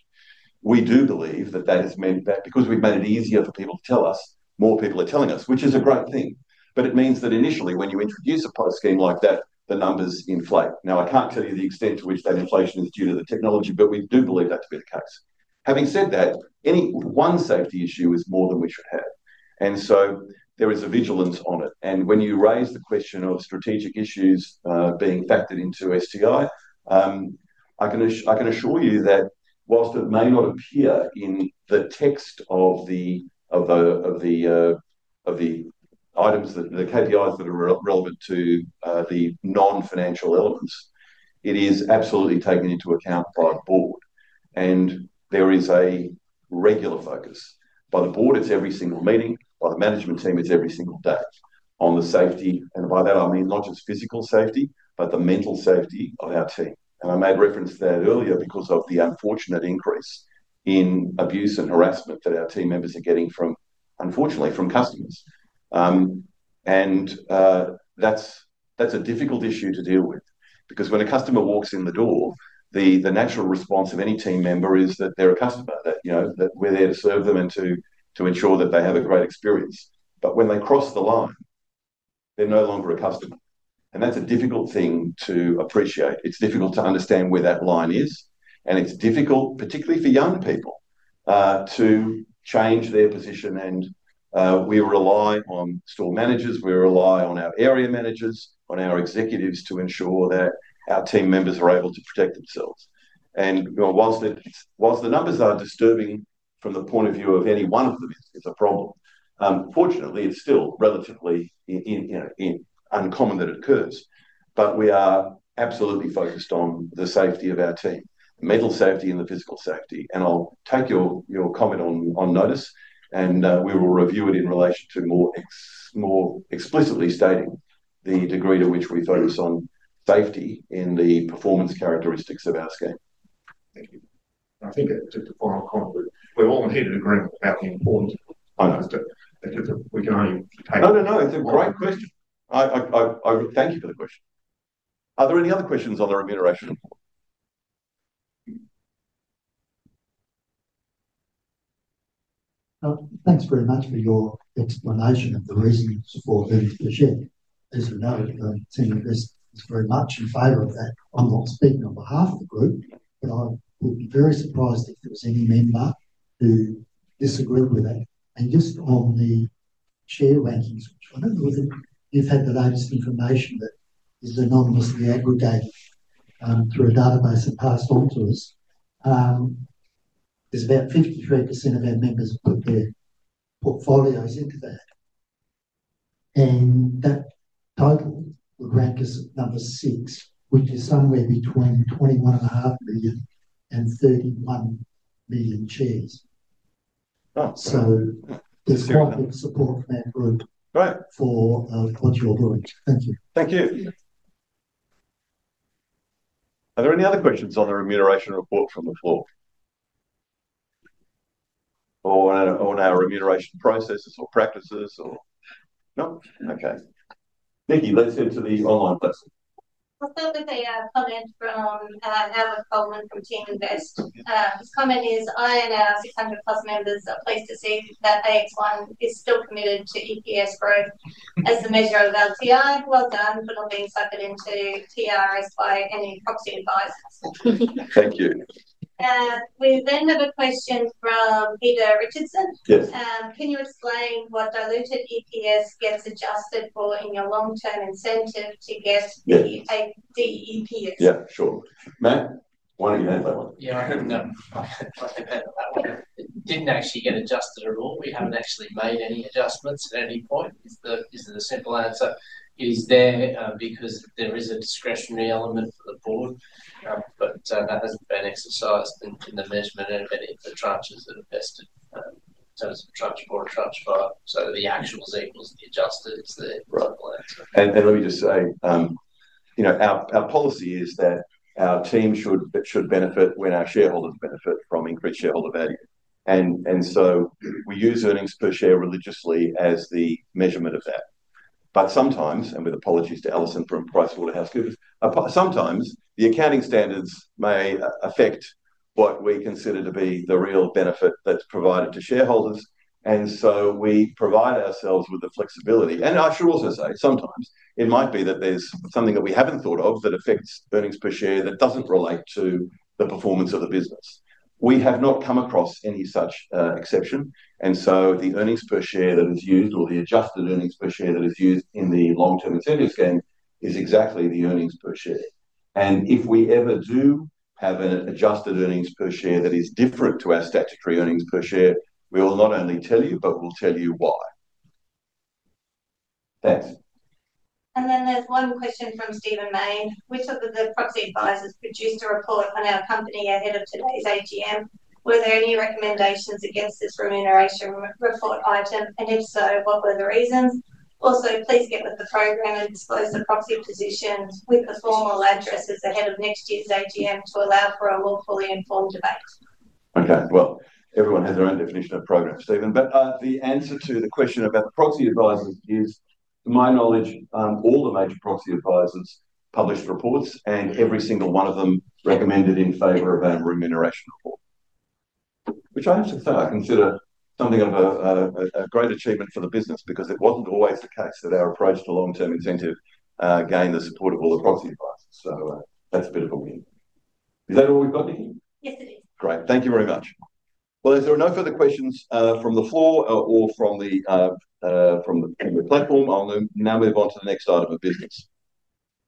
We do believe that that has meant that because we've made it easier for people to tell us, more people are telling us, which is a great thing. It means that initially, when you introduce a scheme like that, the numbers inflate. Now, I can't tell you the extent to which that inflation is due to the technology, but we do believe that to be the case. Having said that, any one safety issue is more than we should have. There is a vigilance on it. And when you raise the question of strategic issues being factored into STI, I can assure you that while it may not appear in the text of the items, the KPIs that are relevant to the non-financial elements, it is absolutely taken into account by the board. And there is a regular focus by the board. It's every single meeting. By the management team, it's every single day on the safety. And by that, I mean not just physical safety, but the mental safety of our team. And I made reference to that earlier because of the unfortunate increase in abuse and harassment that our team members are getting from, unfortunately, from customers. That's a difficult issue to deal with because when a customer walks in the door, the natural response of any team member is that they're a customer, that we're there to serve them and to ensure that they have a great experience. But when they cross the line, they're no longer a customer. That's a difficult thing to appreciate. It's difficult to understand where that line is. It's difficult, particularly for young people, to change their position. We rely on store managers. We rely on our area managers, on our executives to ensure that our team members are able to protect themselves. While the numbers are disturbing from the point of view of any one of them, it's a problem. Fortunately, it's still relatively uncommon that it occurs, but we are absolutely focused on the safety of our team, mental safety, and the physical safety. And I'll take your comment on notice, and we will review it in relation to more explicitly stating the degree to which we focus on safety in the performance characteristics of our scheme. Thank you. I think it's just a final comment. We're all indeed in agreement about the importance. I know. We can only take. No, no, no. It's a great question. Thank you for the question. Are there any other questions on the remuneration report? Thanks very much for your explanation of the reasons for 30%. As we know, the team is very much in favor of that. I'm not speaking on behalf of the group, but I would be very surprised if there was any member who disagreed with that. And just on the share rankings, which I don't know whether you've had the latest information that is anonymously aggregated through a database and passed on to us, there's about 53% of our members put their portfolios into that. And that total would rank us at number six, which is somewhere between 21.5 million and 31 million shares. So there's quite a bit of support from our group for what you're doing. Thank you. Thank you. Are there any other questions on the remuneration report from the floor? Or on our remuneration processes or practices? No? Okay. Nikki, let's head to the online person. I'll start with a comment from Albert Colman from Teaminvest. His comment is, "I and our 600-plus members are pleased to see that AX1 is still committed to EPS growth as the measure of LTI. Well done for not being sucked into TSR by any proxy advisors." Thank you. We then have a question from Peter Richardson. Can you explain what diluted EPS gets adjusted for in your long-term incentive to get the EPS? Yeah. Sure. Matt, why don't you handle that one? Yeah. I didn't actually get adjusted at all. We haven't actually made any adjustments at any point. Is it a simple answer? It is there because there is a discretionary element for the board, but that hasn't been exercised in the measurement. And in the tranches that are vested, in terms of the tranche four and tranche five, so the actual is equal to the adjusted. It's the right answer. And let me just say, our policy is that our team should benefit when our shareholders benefit from increased shareholder value. And so we use earnings per share religiously as the measurement of that. But sometimes, and with apologies to Alison from PricewaterhouseCoopers, sometimes the accounting standards may affect what we consider to be the real benefit that's provided to shareholders. And so we provide ourselves with the flexibility. And I should also say, sometimes it might be that there's something that we haven't thought of that affects earnings per share that doesn't relate to the performance of the business. We have not come across any such exception. And so the earnings per share that is used, or the adjusted earnings per share that is used in the long-term incentive scheme, is exactly the earnings per share. And if we ever do have an adjusted earnings per share that is different to our statutory earnings per share, we will not only tell you, but we'll tell you why. Thanks. And then there's one question from Stephen Mayne. "Which of the proxy advisors produced a report on our company ahead of today's AGM? Were there any recommendations against this remuneration report item? And if so, what were the reasons? Also, please get with the program and disclose the proxy positions with the formal addresses ahead of next year's AGM to allow for a lawfully informed debate." Okay. Well, everyone has their own definition of program, Stephen. But the answer to the question about the proxy advisors is, to my knowledge, all the major proxy advisors published reports, and every single one of them recommended in favor of a remuneration report, which I have to say I consider something of a great achievement for the business because it wasn't always the case that our approach to long-term incentive gained the support of all the proxy advisors. So that's a bit of a win. Is that all we've got, Nikki? Yes, it is. Great. Thank you very much. Well, if there are no further questions from the floor or from the platform, I'll now move on to the next item of business.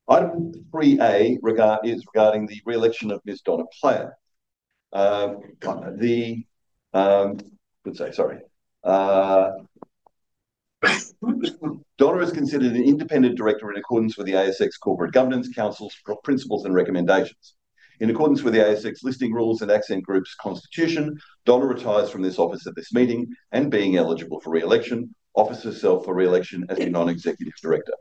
Item 3A is regarding the reelection of Ms. Donna Player. Let's say, sorry. Donna is considered an independent director in accordance with the ASX Corporate Governance Council's principles and recommendations. In accordance with the ASX Listing Rules and Accent Group's Constitution, Donna retires from this office at this meeting and, being eligible for reelection, offers herself for reelection as a non-executive director.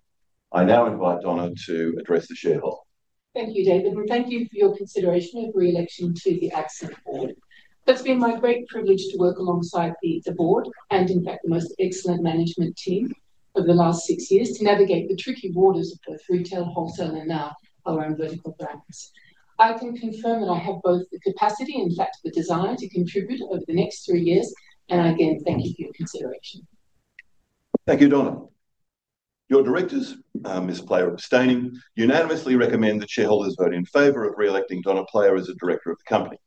I now invite Donna to address the shareholder. Thank you, David. And thank you for your consideration of reelection to the Accent board. It's been my great privilege to work alongside the board and, in fact, the most excellent management team over the last six years to navigate the tricky waters of both retail, wholesale, and now our own vertical brands. I can confirm that I have both the capacity, in fact, the desire to contribute over the next three years. And again, thank you for your consideration. Thank you, Donna. Your directors, Ms. Player and abstaining, unanimously recommend that shareholders vote in favor of reelecting Donna Player as a director of the company.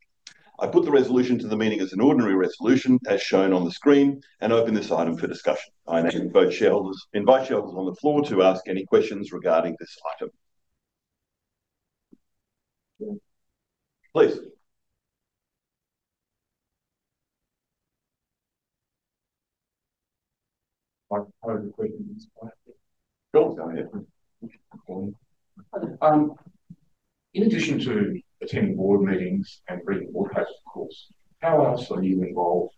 I put the resolution to the meeting as an ordinary resolution, as shown on the screen, and open this item for discussion. I now invite shareholders on the floor to ask any questions regarding this item. Please. I have no questions at this point. Sure. Go ahead. In addition to attending board meetings and reading board papers, of course, how else are you involved?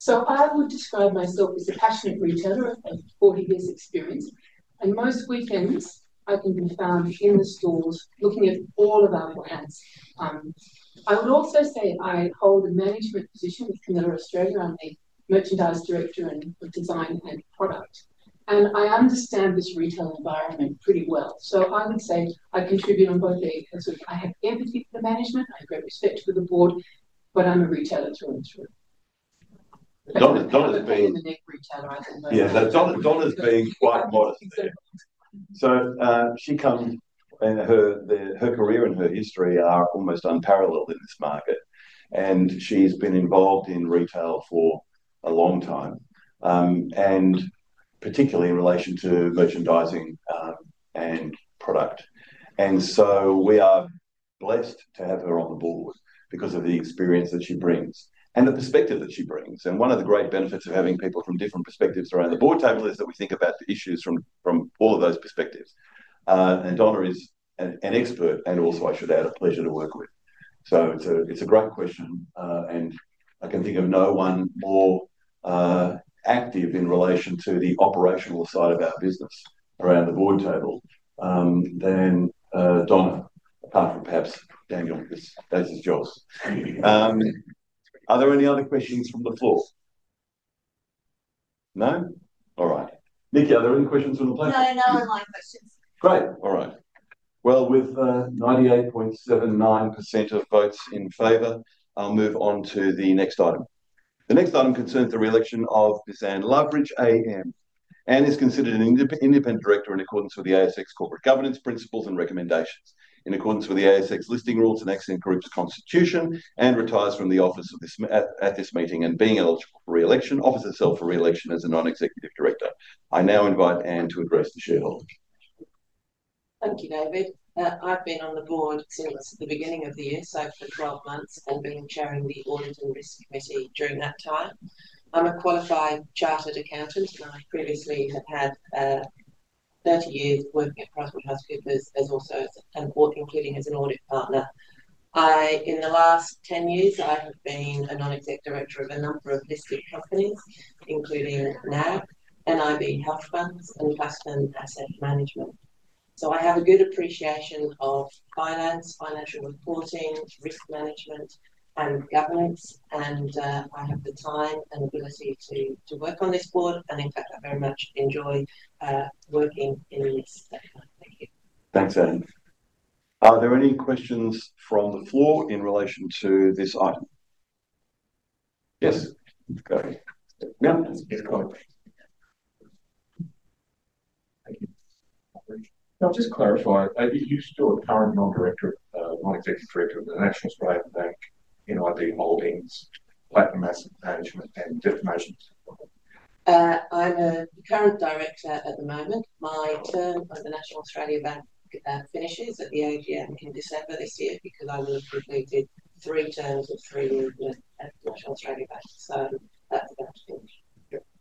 So I would describe myself as a passionate retailer with over 40 years' experience. And most weekends, I can be found in the stores looking at all of our brands. I would also say I hold a management position with Camilla Australia. I'm the merchandise director and design and product. And I understand this retail environment pretty well. So I would say I contribute on both the sort of. I have empathy for the management. I have great respect for the board, but I'm a retailer through and through. Donna's been a retailer, I think. Yeah. Donna's been quite modest there. So she comes her career and her history are almost unparalleled in this market. And she's been involved in retail for a long time, and particularly in relation to merchandising and product. And so we are blessed to have her on the board because of the experience that she brings and the perspective that she brings. And one of the great benefits of having people from different perspectives around the board table is that we think about the issues from all of those perspectives. And Donna is an expert, and also, I should add, a pleasure to work with. So it's a great question. And I can think of no one more active in relation to the operational side of our business around the board table than Donna, apart from perhaps Daniel, because that's yours. Are there any other questions from the floor? No? All right. Nikki, are there any questions from the platform? No, no online questions. Great. All right. Well, with 98.79% of votes in favor, I'll move on to the next item. The next item concerns the reelection of Miss Anne Loveridge, AM. Anne is considered an independent director in accordance with the ASX Corporate Governance principles and recommendations. In accordance with the ASX Listing Rules and Accent Group's Constitution, Anne retires from the office at this meeting and, being eligible for reelection, offers herself for reelection as a non-executive director. I now invite Anne to address the shareholders. Thank you, David. I've been on the board since the beginning of the year, so for 12 months, and been chairing the Audit and Risk Committee during that time. I'm a qualified chartered accountant, and I previously have had 30 years working at PricewaterhouseCoopers, including as an audit partner. In the last 10 years, I have been a non-exec director of a number of listed companies, including NAB, NIB Health Funds, and Platinum Asset Management. So I have a good appreciation of finance, financial reporting, risk management, and governance. And I have the time and ability to work on this board. And in fact, I very much enjoy working in this sector. Thank you. Thanks, Anne. Are there any questions from the floor in relation to this item? Yes. Go ahead. Yeah. Yes, go ahead. Thank you. I'll just clarify. Are you still a current non-executive director of the National Australia Bank, NIB Holdings, Platinum Asset Management, and Diff Management? I'm a current director at the moment. My term at the National Australia Bank finishes at the AGM in December this year because I will have completed three terms of three years with the National Australia Bank. So that's about to finish.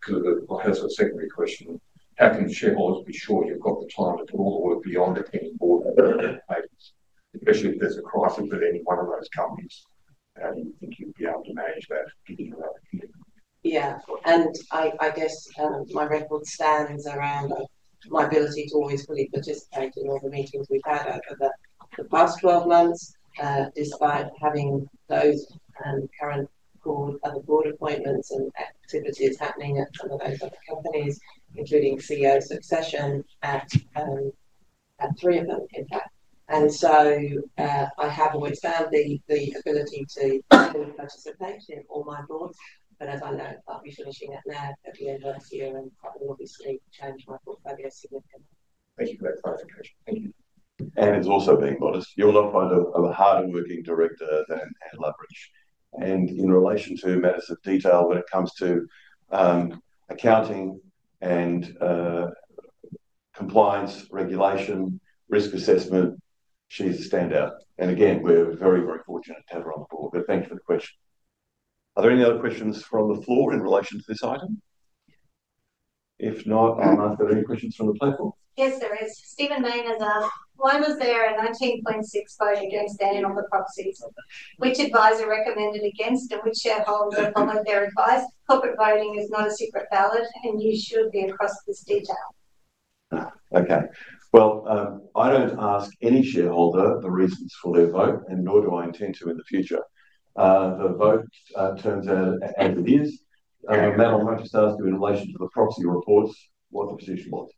Could I have a secondary question? How can shareholders be sure you've got the time to put all the work beyond a 10-year board? Especially if there's a crisis with any one of those companies, you think you'd be able to manage that, given your own commitment? Yeah. And I guess my record stands around my ability to always fully participate in all the meetings we've had over the past 12 months, despite having those current board other board appointments and activities happening at some of those other companies, including CEO succession at three of them, in fact. And so I have always found the ability to fully participate in all my boards. But as I know, I'll be finishing at NAB at the end of the year and probably obviously change my portfolio significantly. Thank you for that clarification. Thank you. Anne has also been modest. There's no harder-working director than Anne Loveridge. And in relation to matters of detail, when it comes to accounting and compliance, regulation, risk assessment, she's a standout. And again, we're very, very fortunate to have her on the board. But thank you for the question. Are there any other questions from the floor in relation to this item? If not, I'll ask if there are any questions from the platform. Yes, there is. Stephen Mayne has asked, "Why was there a 19.6% vote against abstaining on the proxies? Which advisor recommended against, and which shareholders followed their advice? Corporate voting is not a secret ballot, and you should be across this detail." Okay. Well, I don't ask any shareholder the reasons for their vote, and nor do I intend to in the future. The vote turns out as it is. Madam Rochester asked you in relation to the proxy reports, what the position was.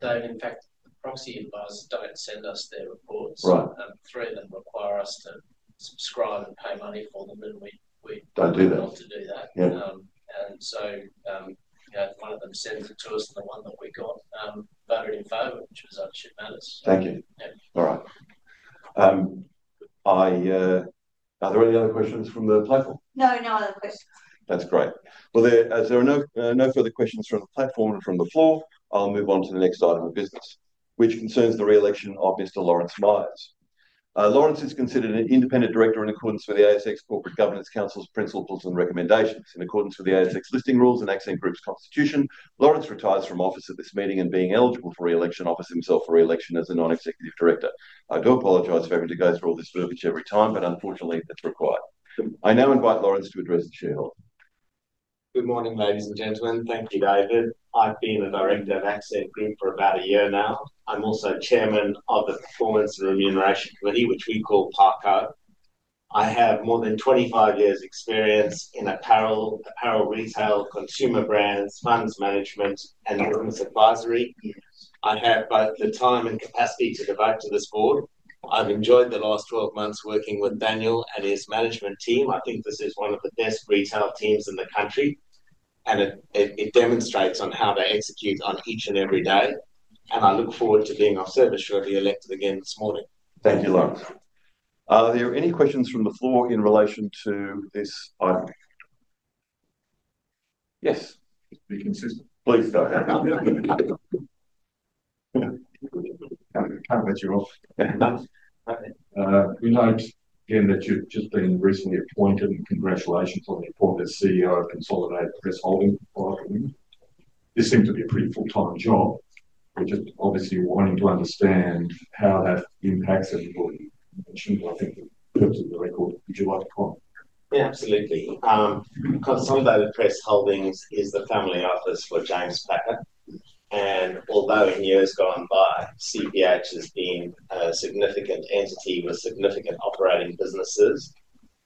David, in fact, the proxy advisors don't send us their reports. Three of them require us to subscribe and pay money for them, and we're not allowed to do that. And so one of them sent it to us, and the one that we got voted in favor, which was up to you matters. Thank you. All right. Are there any other questions from the platform? No, no other questions. That's great. Well, as there are no further questions from the platform and from the floor, I'll move on to the next item of business, which concerns the reelection of Mr. Lawrence Myers. Lawrence is considered an independent director in accordance with the ASX Corporate Governance Council's principles and recommendations. In accordance with the ASX Listing Rules and Accent Group's Constitution, Lawrence retires from office at this meeting and, being eligible for reelection, offers himself for reelection as a non-executive director. I do apologize for having to go through all this verbiage every time, but unfortunately, it's required. I now invite Lawrence to address the shareholders. Good morning, ladies and gentlemen. Thank you, David. I've been a director of Accent Group for about a year now. I'm also Chairman of the Performance and Remuneration Committee, which we call PARCO. I have more than 25 years' experience in apparel, retail, consumer brands, funds management, and business advisory. I have both the time and capacity to devote to this board. I've enjoyed the last 12 months working with Daniel and his management team. I think this is one of the best retail teams in the country. And it demonstrates on how they execute on each and every day. And I look forward to being of service, having been elected again this morning. Thank you all. Are there any questions from the floor in relation to this item? Yes. Be consistent. Please go ahead. Can't let you off. We note, again, that you've just been recently appointed. Congratulations on the appointment as CEO of Consolidated Press Holdings. This seems to be a pretty full-time job. We're just obviously wanting to understand how that impacts everybody. For the purposes of the record, would you like to comment? Yeah, absolutely. Consolidated Press Holdings is the family office for James Packer. And although in years gone by, CPH has been a significant entity with significant operating businesses,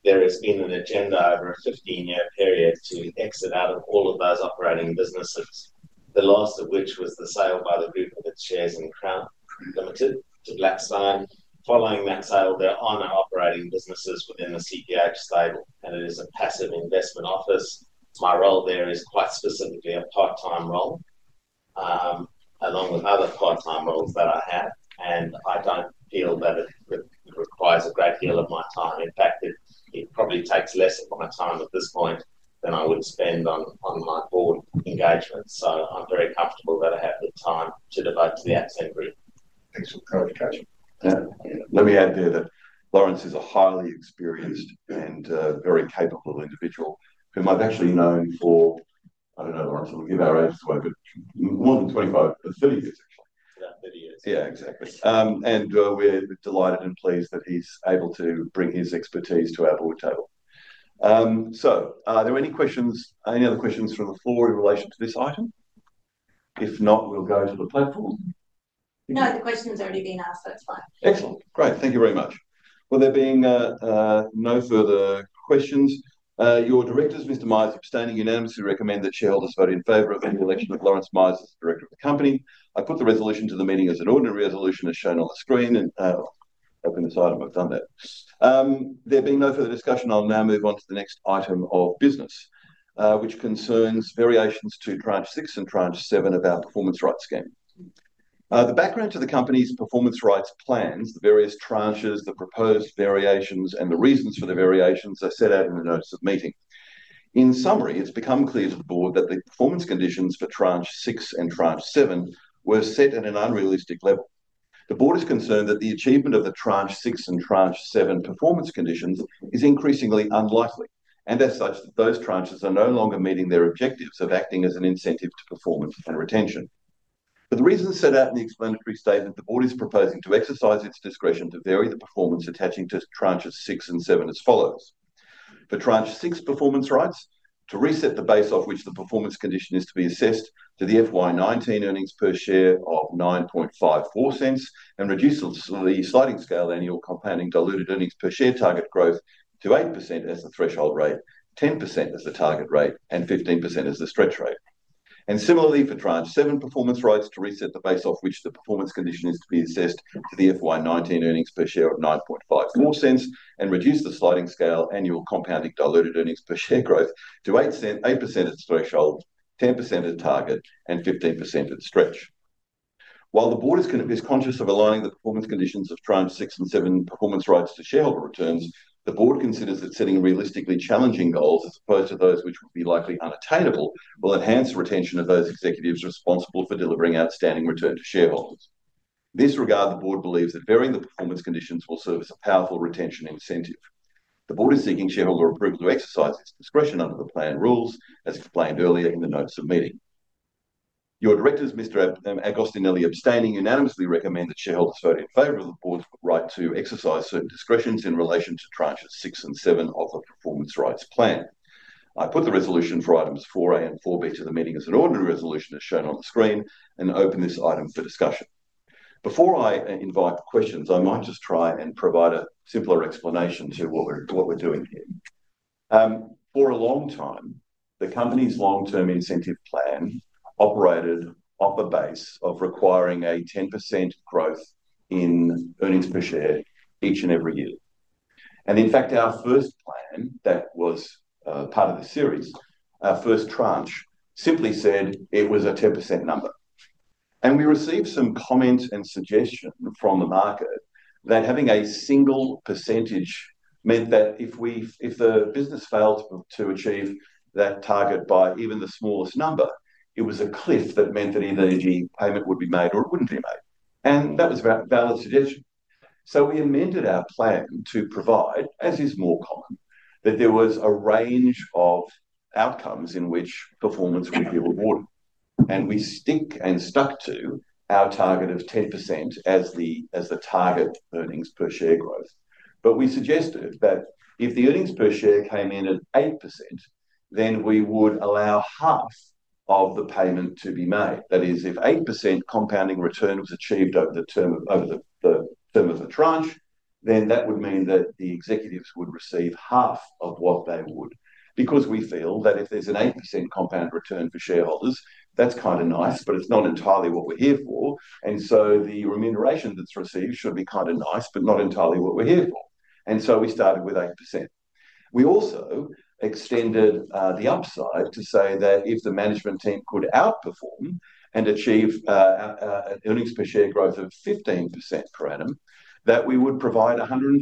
there has been an agenda over a 15-year period to exit out of all of those operating businesses, the last of which was the sale by the Group of its shares in Crown Limited to Blackstone. Following that sale, there are no operating businesses within the CPH stable. And it is a passive investment office. My role there is quite specifically a part-time role, along with other part-time roles that I have. And I don't feel that it requires a great deal of my time. In fact, it probably takes less of my time at this point than I would spend on my board engagements. So I'm very comfortable that I have the time to devote to the Accent Group. Thanks for clarification. Let me add there that Lawrence is a highly experienced and very capable individual whom I've actually known for, I don't know, Lawrence, we'll give our age away, but more than 25 or 30 years, actually. About 30 years, yeah, exactly, and we're delighted and pleased that he's able to bring his expertise to our board table. So are there any questions, any other questions from the floor in relation to this item? If not, we'll go to the platform. No, the question has already been asked, so that's fine. Excellent. Great. Thank you very much. Well, there being no further questions, your directors, Mr. Myers, standing unanimously recommend that shareholders vote in favor of the reelection of Lawrence Myers as director of the company. I put the resolution to the meeting as an ordinary resolution, as shown on the screen, and hoping this item will have done that. There being no further discussion, I'll now move on to the next item of business, which concerns variations to tranche 6 and tranche 7 of our performance rights scheme. The background to the company's performance rights plans, the various tranches, the proposed variations, and the reasons for the variations are set out in the notice of meeting. In summary, it's become clear to the board that the performance conditions for tranche 6 and tranche 7 were set at an unrealistic level. The board is concerned that the achievement of the tranche 6 and tranche 7 performance conditions is increasingly unlikely, and as such, those tranches are no longer meeting their objectives of acting as an incentive to performance and retention. For the reasons set out in the explanatory statement, the board is proposing to exercise its discretion to vary the performance attaching to tranches 6 and 7 as follows. For tranche 6 performance rights, to reset the base off which the performance condition is to be assessed to the FY 2019 earnings per share of 0.0954 and reduce the sliding scale annual compounding diluted earnings per share target growth to 8% as the threshold rate, 10% as the target rate, and 15% as the stretch rate, and similarly, for tranche 7 performance rights, to reset the base off which the performance condition is to be assessed to the FY 2019 earnings per share of 0.0954 and reduce the sliding scale annual compounding diluted earnings per share growth to 8% as the threshold, 10% as target, and 15% as stretch. While the board is conscious of aligning the performance conditions of tranche 6 and 7 performance rights to shareholder returns, the board considers that setting realistically challenging goals as opposed to those which would be likely unattainable will enhance the retention of those executives responsible for delivering outstanding return to shareholders. In this regard, the board believes that varying the performance conditions will serve as a powerful retention incentive. The board is seeking shareholder approval to exercise its discretion under the plan rules, as explained earlier in the notice of meeting. Your directors, Mr. Agostinelli abstaining, unanimously recommend that shareholders vote in favor of the board's right to exercise certain discretions in relation to tranches 6 and 7 of the performance rights plan. I put the resolution for items 4A and 4B to the meeting as an ordinary resolution, as shown on the screen, and open this item for discussion. Before I invite questions, I might just try and provide a simpler explanation to what we're doing here. For a long time, the company's long-term incentive plan operated off a base of requiring a 10% growth in earnings per share each and every year. And in fact, our first plan that was part of the series, our first tranche, simply said it was a 10% number. And we received some comments and suggestions from the market that having a single percentage meant that if the business failed to achieve that target by even the smallest number, it was a cliff that meant that either the payment would be made or it wouldn't be made. And that was a valid suggestion. So we amended our plan to provide, as is more common, that there was a range of outcomes in which performance would be rewarded. And we stick and stuck to our target of 10% as the target earnings per share growth. But we suggested that if the earnings per share came in at 8%, then we would allow half of the payment to be made. That is, if 8% compounding return was achieved over the term of the tranche, then that would mean that the executives would receive half of what they would. Because we feel that if there's an 8% compound return for shareholders, that's kind of nice, but it's not entirely what we're here for. And so the remuneration that's received should be kind of nice, but not entirely what we're here for. And so we started with 8%. We also extended the upside to say that if the management team could outperform and achieve an earnings per share growth of 15% per annum, that we would provide 150%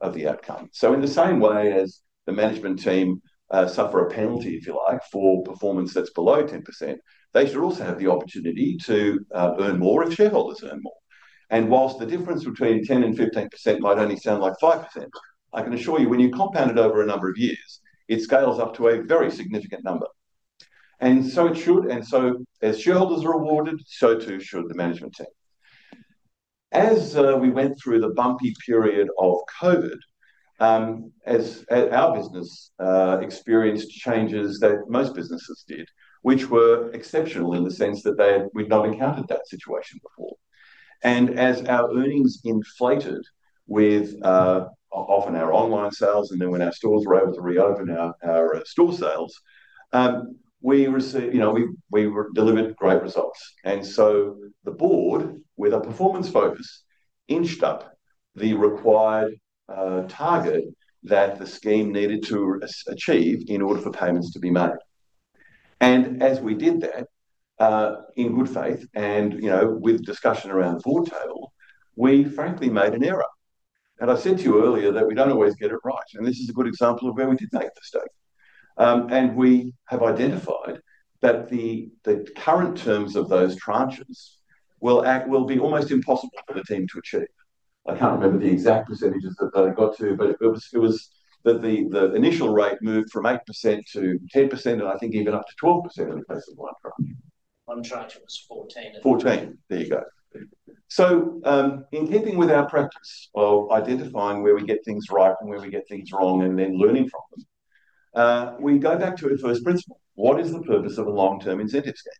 of the outcome. So in the same way as the management team suffer a penalty, if you like, for performance that's below 10%, they should also have the opportunity to earn more if shareholders earn more. And while the difference between 10 and 15% might only sound like 5%, I can assure you when you compound it over a number of years, it scales up to a very significant number. And so it should. And so as shareholders are rewarded, so too should the management team. As we went through the bumpy period of COVID, our business experienced changes that most businesses did, which were exceptional in the sense that we'd not encountered that situation before. And as our earnings inflated with often our online sales and then when our stores were able to reopen our store sales, we delivered great results. And so the board, with a performance focus, inched up the required target that the scheme needed to achieve in order for payments to be made. And as we did that in good faith and with discussion around the board table, we frankly made an error. And I said to you earlier that we don't always get it right. And this is a good example of where we did make a mistake. And we have identified that the current terms of those tranches will be almost impossible for the team to achieve. I can't remember the exact percentages that they got to, but it was that the initial rate moved from 8% to 10% and I think even up to 12% in the case of one tranche. One tranche was 14. 14. There you go. So in keeping with our practice of identifying where we get things right and where we get things wrong and then learning from them, we go back to a first principle. What is the purpose of a long-term incentive scheme?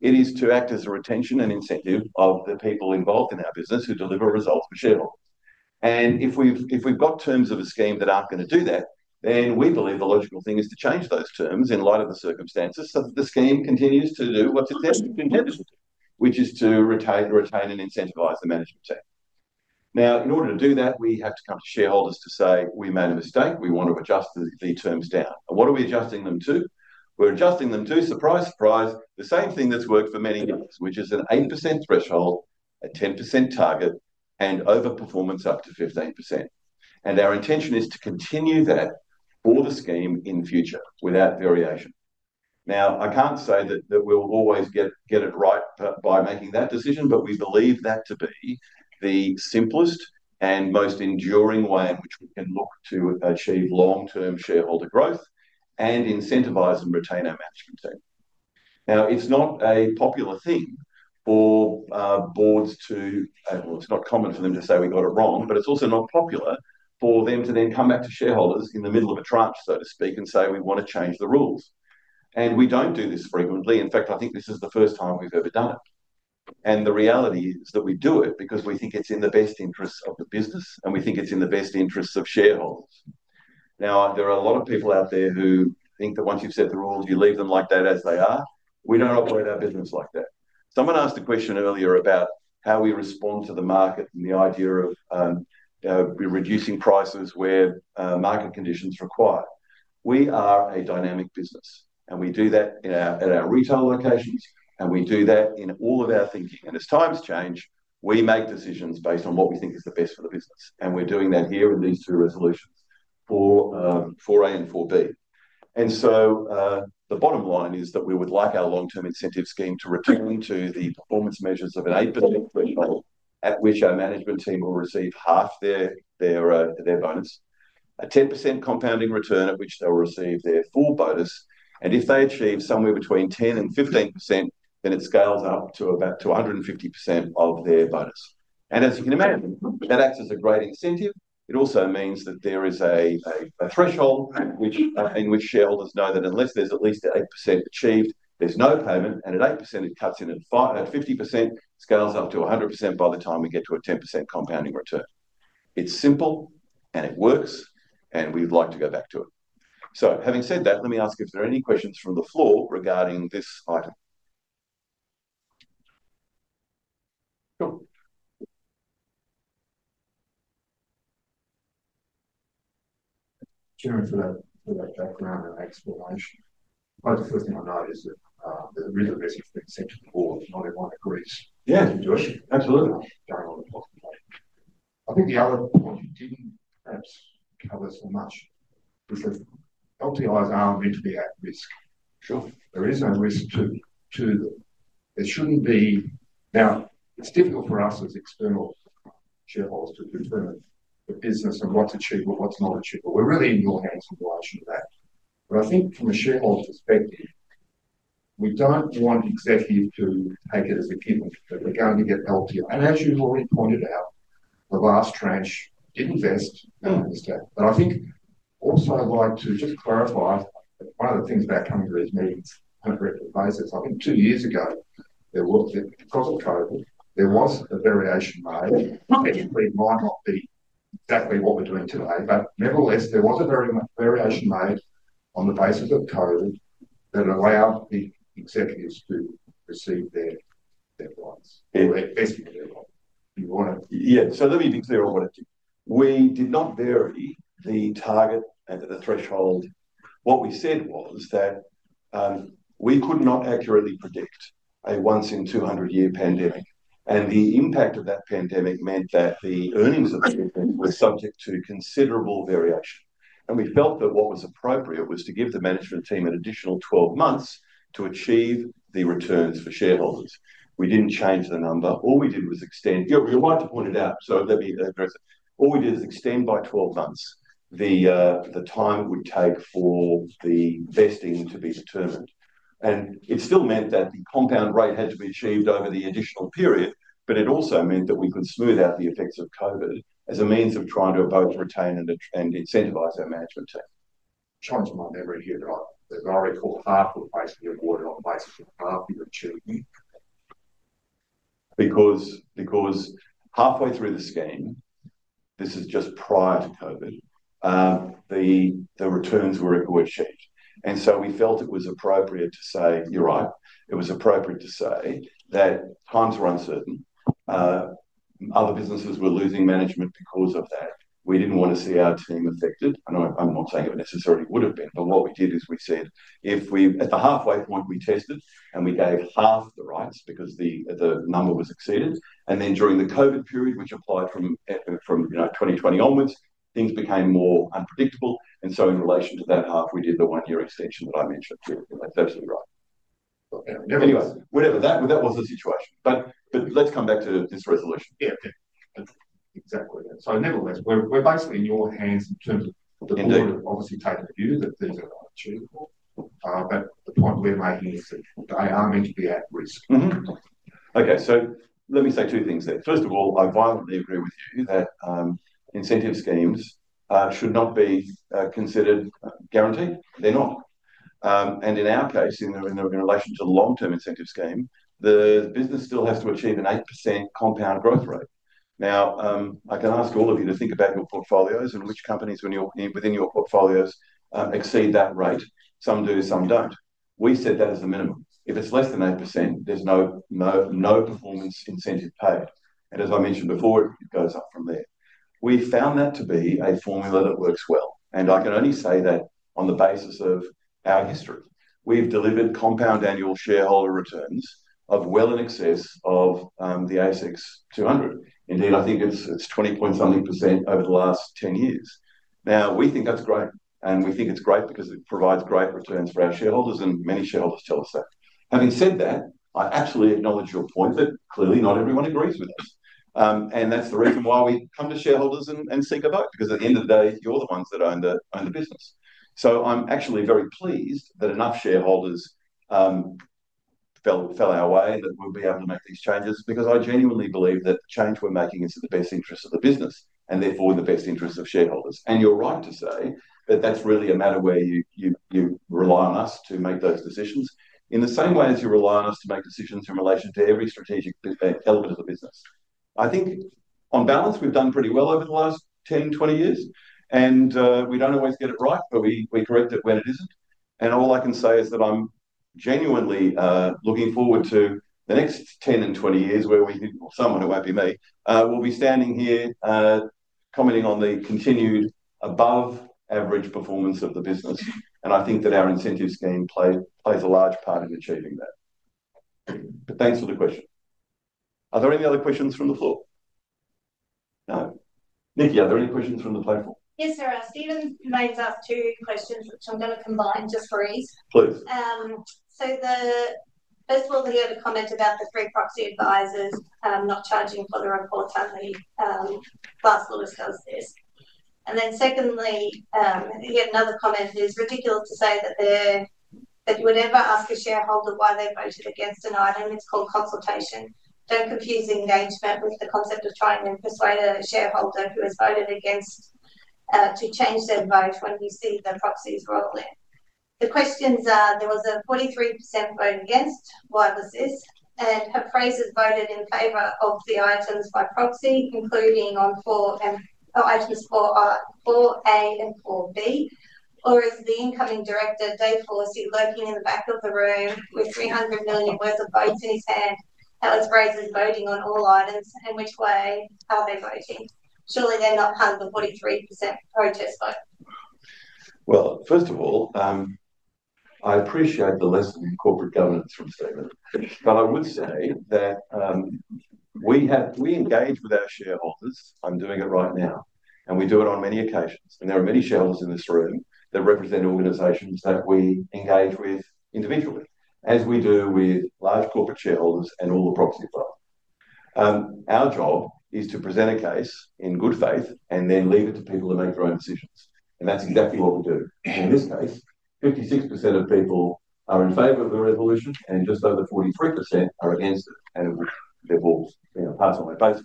It is to act as a retention and incentive of the people involved in our business who deliver results for shareholders. And if we've got terms of a scheme that aren't going to do that, then we believe the logical thing is to change those terms in light of the circumstances so that the scheme continues to do what it's intended, which is to retain and incentivize the management team. Now, in order to do that, we have to come to shareholders to say, "We made a mistake. We want to adjust the terms down." And what are we adjusting them to? We're adjusting them to, surprise, surprise, the same thing that's worked for many years, which is an eight% threshold, a 10% target, and overperformance up to 15%. And our intention is to continue that for the scheme in future without variation. Now, I can't say that we'll always get it right by making that decision, but we believe that to be the simplest and most enduring way in which we can look to achieve long-term shareholder growth and incentivize and retain our management team. Now, it's not a popular thing for boards to, well, it's not common for them to say, "We got it wrong," but it's also not popular for them to then come back to shareholders in the middle of a tranche, so to speak, and say, "We want to change the rules." And we don't do this frequently. In fact, I think this is the first time we've ever done it. And the reality is that we do it because we think it's in the best interests of the business, and we think it's in the best interests of shareholders. Now, there are a lot of people out there who think that once you've set the rules, you leave them like that as they are. We don't operate our business like that. Someone asked a question earlier about how we respond to the market and the idea of reducing prices where market conditions require. We are a dynamic business, and we do that at our retail locations, and we do that in all of our thinking. And as times change, we make decisions based on what we think is the best for the business. And we're doing that here in these two resolutions, 4A and 4B. The bottom line is that we would like our long-term incentive scheme to return to the performance measures of an eight% threshold at which our management team will receive half their bonus, a 10% compounding return at which they will receive their full bonus. And if they achieve somewhere between 10% and 15%, then it scales up to about 250% of their bonus. And as you can imagine, that acts as a great incentive. It also means that there is a threshold in which shareholders know that unless there's at least eight% achieved, there's no payment. And at eight%, it cuts in at 50%, scales up to 100% by the time we get to a 10% compounding return. It's simple, and it works, and we'd like to go back to it. So having said that, let me ask if there are any questions from the floor regarding this item. Cool. Just for that background and explanation, probably the first thing I notice is that there's a risk of being sent to the board. Not everyone agrees. Yeah, you do. Absolutely. I think the other point you didn't perhaps cover so much is that LTIs are meant to be at risk. There is no risk to them. There shouldn't be. Now, it's difficult for us as external shareholders to determine the business and what's achievable, what's not achievable. We're really in your hands in relation to that. But I think from a shareholder perspective, we don't want executives to take it as a given that we're going to get LTI. And as you already pointed out, the last tranche didn't vest. But I think also I'd like to just clarify one of the things about coming to these meetings on a regular basis. I think two years ago, because of COVID, there was a variation made. It might not be exactly what we're doing today, but nevertheless, there was a variation made on the basis of COVID that allowed the executives to receive their bonus or estimate their bonus. Yeah. So let me be clear on what I did. We did not vary the target and the threshold. What we said was that we could not accurately predict a once-in-200-year pandemic. And the impact of that pandemic meant that the earnings of the executives were subject to considerable variation. And we felt that what was appropriate was to give the management team an additional 12 months to achieve the returns for shareholders. We didn't change the number. All we did was extend. You're right to point it out. So let me address it. All we did is extend by 12 months the time it would take for the vesting to be determined. And it still meant that the compound rate had to be achieved over the additional period, but it also meant that we could smooth out the effects of COVID as a means of trying to both retain and incentivize our management team. Challenge in my memory here that I recall half was basically awarded on the basis of half the achievement. Because halfway through the scheme, this is just prior to COVID, the returns were achieved. And so we felt it was appropriate to say, "You're right." It was appropriate to say that times were uncertain. Other businesses were losing management because of that. We didn't want to see our team affected. I'm not saying it necessarily would have been, but what we did is we said, "At the halfway point, we tested and we gave half the rights because the number was exceeded." Then during the COVID period, which applied from 2020 onwards, things became more unpredictable. So in relation to that half, we did the one-year extension that I mentioned. That's absolutely right. Anyway, whatever. That was the situation. Let's come back to this resolution. Yeah. Exactly. Nevertheless, we're basically in your hands in terms of the board obviously taking the view that things are not achievable. The point we're making is that they are meant to be at risk. Okay. Let me say two things there. First of all, I violently agree with you that incentive schemes should not be considered guaranteed. They're not. And in our case, in relation to the long-term incentive scheme, the business still has to achieve an 8% compound growth rate. Now, I can ask all of you to think about your portfolios and which companies within your portfolios exceed that rate. Some do, some don't. We set that as the minimum. If it's less than 8%, there's no performance incentive paid. And as I mentioned before, it goes up from there. We found that to be a formula that works well. And I can only say that on the basis of our history. We've delivered compound annual shareholder returns of well in excess of the ASX 200. Indeed, I think it's 20-point-something % over the last 10 years. Now, we think that's great. And we think it's great because it provides great returns for our shareholders, and many shareholders tell us that. Having said that, I absolutely acknowledge your point that clearly not everyone agrees with us. And that's the reason why we come to shareholders and seek a vote. Because at the end of the day, you're the ones that own the business. So I'm actually very pleased that enough shareholders fell our way that we'll be able to make these changes because I genuinely believe that the change we're making is in the best interest of the business and therefore in the best interest of shareholders. And you're right to say that that's really a matter where you rely on us to make those decisions in the same way as you rely on us to make decisions in relation to every strategic element of the business. I think on balance, we've done pretty well over the last 10, 20 years. And we don't always get it right, but we correct it when it isn't. And all I can say is that I'm genuinely looking forward to the next 10 and 20 years where we think, well, someone who won't be me, will be standing here commenting on the continued above-average performance of the business. And I think that our incentive scheme plays a large part in achieving that. But thanks for the question. Are there any other questions from the floor? No. Nikki, are there any questions from the platform? Yes, sir. Stephen made up two questions, which I'm going to combine just for ease. Please. So first of all, he had a comment about the free proxy advisors not charging for the report on the last law discussed this. And then secondly, he had another comment. It's ridiculous to say that you would ever ask a shareholder why they voted against an item. It's called consultation. Don't confuse engagement with the concept of trying to persuade a shareholder who has voted against to change their vote when you see the proxies rolling. The questions are, there was a 43% vote against. Why was this? And Frasers voted in favor of the items by proxy, including on items 4A and 4B. Or is the incoming director, Dave Forsey, lurking in the back of the room with 300 million worth of votes in his hand? Hells bells, voting on all items? In which way are they voting? Surely they're not a 43% protest vote. Well, first of all, I appreciate the lesson in corporate governance from Stephen. But I would say that we engage with our shareholders. I'm doing it right now. And we do it on many occasions. And there are many shareholders in this room that represent organizations that we engage with individually, as we do with large corporate shareholders and all the proxies as well. Our job is to present a case in good faith and then leave it to people to make their own decisions. And that's exactly what we do. In this case, 56% of people are in favor of the resolution, and just over 43% are against it. And they've all passed on their basis.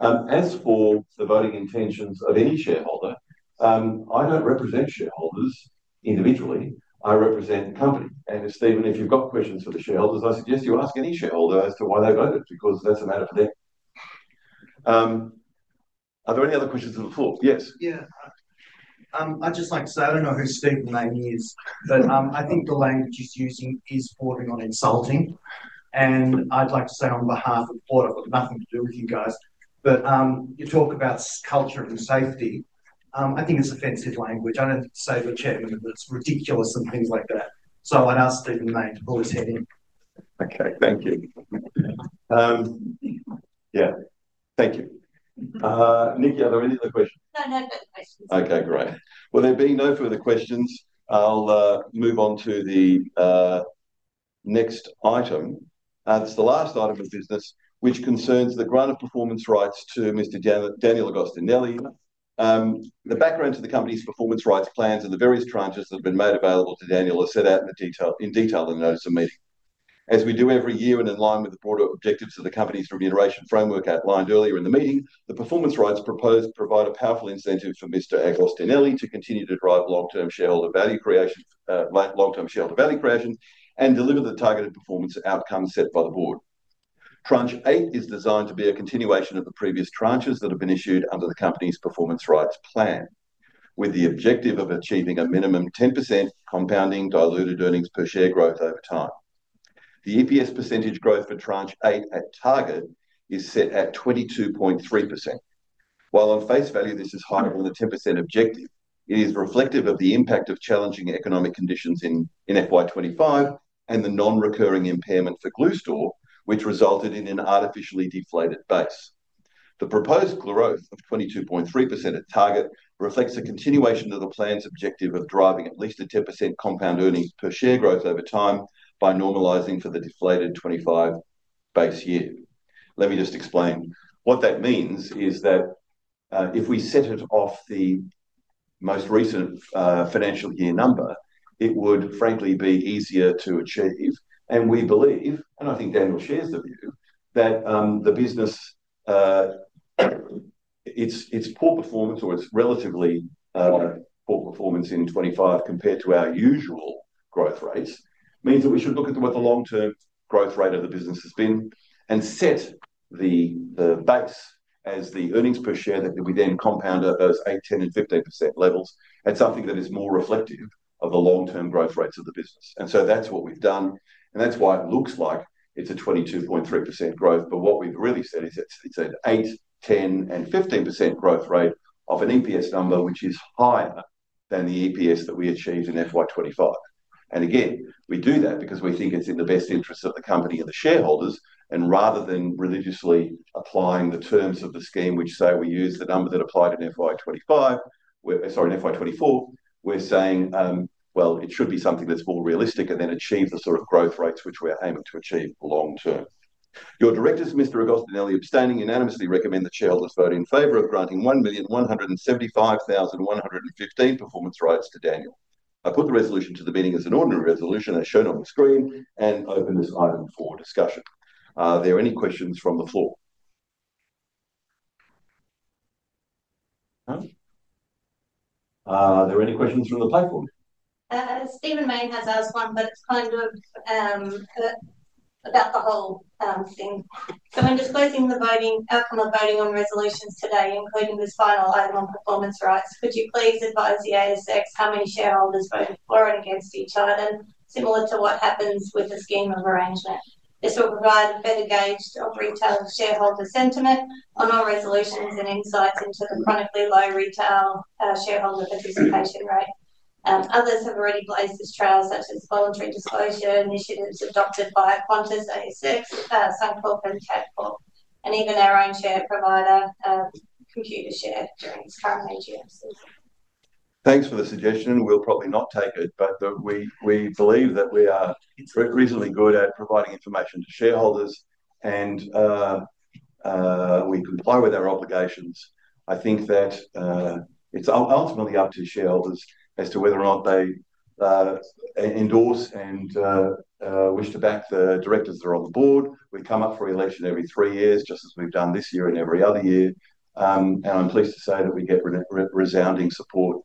As for the voting intentions of any shareholder, I don't represent shareholders individually. I represent the company. And Stephen, if you've got questions for the shareholders, I suggest you ask any shareholder as to why they voted because that's a matter for them. Are there any other questions on the floor? Yes. Yeah. I'd just like to say, I don't know who Stephen Mayne is, but I think the language he's using is bordering on insulting. And I'd like to say on behalf of the board, I've got nothing to do with you guys. But you talk about culture and safety. I think it's offensive language. I don't say to the chairman that it's ridiculous and things like that. So I'd ask Stephen Mayne to pull his head in. Okay. Thank you. Yeah. Thank you. Nikki, are there any other questions? No, no further questions. Okay. Great. Well, there being no further questions, I'll move on to the next item. It's the last item of business, which concerns the grant of performance rights to Mr. Daniel Agostinelli. The background to the company's performance rights plans and the various tranches that have been made available to Daniel are set out in detail in the notice of meeting. As we do every year and in line with the broader objectives of the company's remuneration framework outlined earlier in the meeting, the performance rights proposed provide a powerful incentive for Mr. Agostinelli to continue to drive long-term shareholder value creation and deliver the targeted performance outcomes set by the board. Tranche 8 is designed to be a continuation of the previous tranches that have been issued under the company's performance rights plan, with the objective of achieving a minimum 10% compounding diluted earnings per share growth over time. The EPS percentage growth for tranche 8 at target is set at 22.3%. While on face value, this is higher than the 10% objective. It is reflective of the impact of challenging economic conditions in FY 2025 and the non-recurring impairment for Glue Store, which resulted in an artificially deflated base. The proposed growth of 22.3% at target reflects a continuation of the plan's objective of driving at least a 10% compound earnings per share growth over time by normalizing for the deflated 25 base year. Let me just explain. What that means is that if we set it off the most recent financial year number, it would frankly be easier to achieve. We believe, and I think Daniel shares the view, that the business, its poor performance or its relatively poor performance in 25 compared to our usual growth rates means that we should look at what the long-term growth rate of the business has been and set the base as the earnings per share that we then compound at those 8%, 10%, and 15% levels at something that is more reflective of the long-term growth rates of the business. And so that's what we've done. And that's why it looks like it's a 22.3% growth. But what we've really said is it's an 8%, 10%, and 15% growth rate of an EPS number, which is higher than the EPS that we achieved in FY 2025. And again, we do that because we think it's in the best interest of the company and the shareholders. Rather than religiously applying the terms of the scheme, which say we use the number that applied in FY 2025, sorry, in FY 2024, we're saying, well, it should be something that's more realistic and then achieve the sort of growth rates which we are aiming to achieve long term. Your directors, Mr. Agostinelli abstaining, unanimously recommend that shareholders vote in favor of granting 1,175,115 performance rights to Daniel. I put the resolution to the meeting as an ordinary resolution as shown on the screen and open this item for discussion. Are there any questions from the floor? Are there any questions from the platform? Stephen Mayne has asked one, but it's kind of about the whole thing. So when disclosing the outcome of voting on resolutions today, including this final item on performance rights, could you please advise the ASX how many shareholders voted for and against each other? And similar to what happens with the scheme of arrangement, this will provide a better gauge of retail shareholder sentiment on our resolutions and insights into the chronically low retail shareholder participation rate. Others have already placed this trial, such as voluntary disclosure initiatives adopted by Qantas, ASX, Suncorp, and CAT, and even our own share provider, Computershare, during its current AGM season. Thanks for the suggestion. We'll probably not take it, but we believe that we are reasonably good at providing information to shareholders, and we comply with our obligations. I think that it's ultimately up to shareholders as to whether or not they endorse and wish to back the directors that are on the board. We come up for election every three years, just as we've done this year and every other year. And I'm pleased to say that we get resounding support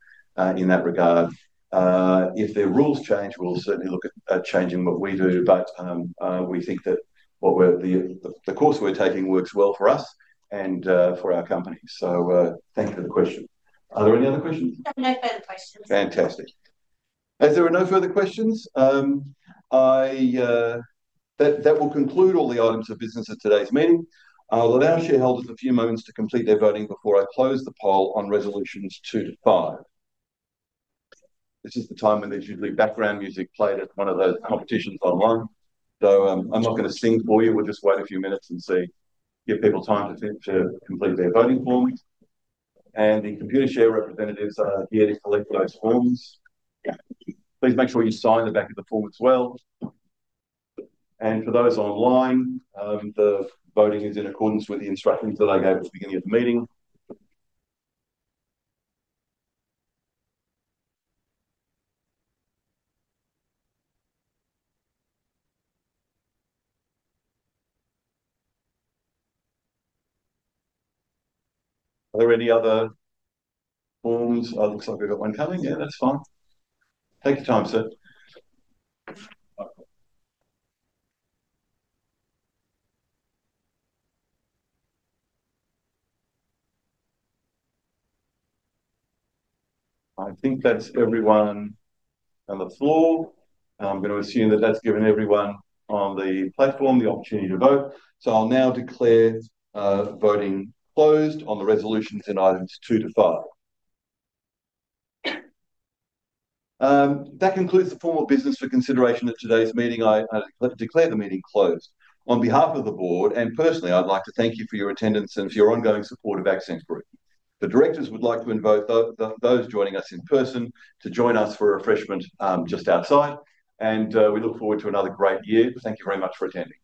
in that regard. If the rules change, we'll certainly look at changing what we do, but we think that the course we're taking works well for us and for our company. So thank you for the question. Are there any other questions? No further questions. Fantastic. As there are no further questions, that will conclude all the items of business at today's meeting. I'll allow shareholders a few moments to complete their voting before I close the poll on resolutions two to five. This is the time when there's usually background music played at one of those competitions online. So I'm not going to sing for you. We'll just wait a few minutes and give people time to complete their voting forms. And the Computershare representatives are here to collect those forms. Please make sure you sign the back of the form as well. And for those online, the voting is in accordance with the instructions that I gave at the beginning of the meeting. Are there any other forms? It looks like we've got one coming. Yeah, that's fine. Take your time, sir. I think that's everyone on the floor. I'm going to assume that that's given everyone on the platform the opportunity to vote. So I'll now declare voting closed on the resolutions in items two to five. That concludes the formal business for consideration at today's meeting. I declare the meeting closed. On behalf of the board and personally, I'd like to thank you for your attendance and for your ongoing support of Accent Group. The directors would like to invite those joining us in person to join us for a refreshment just outside. We look forward to another great year. Thank you very much for attending.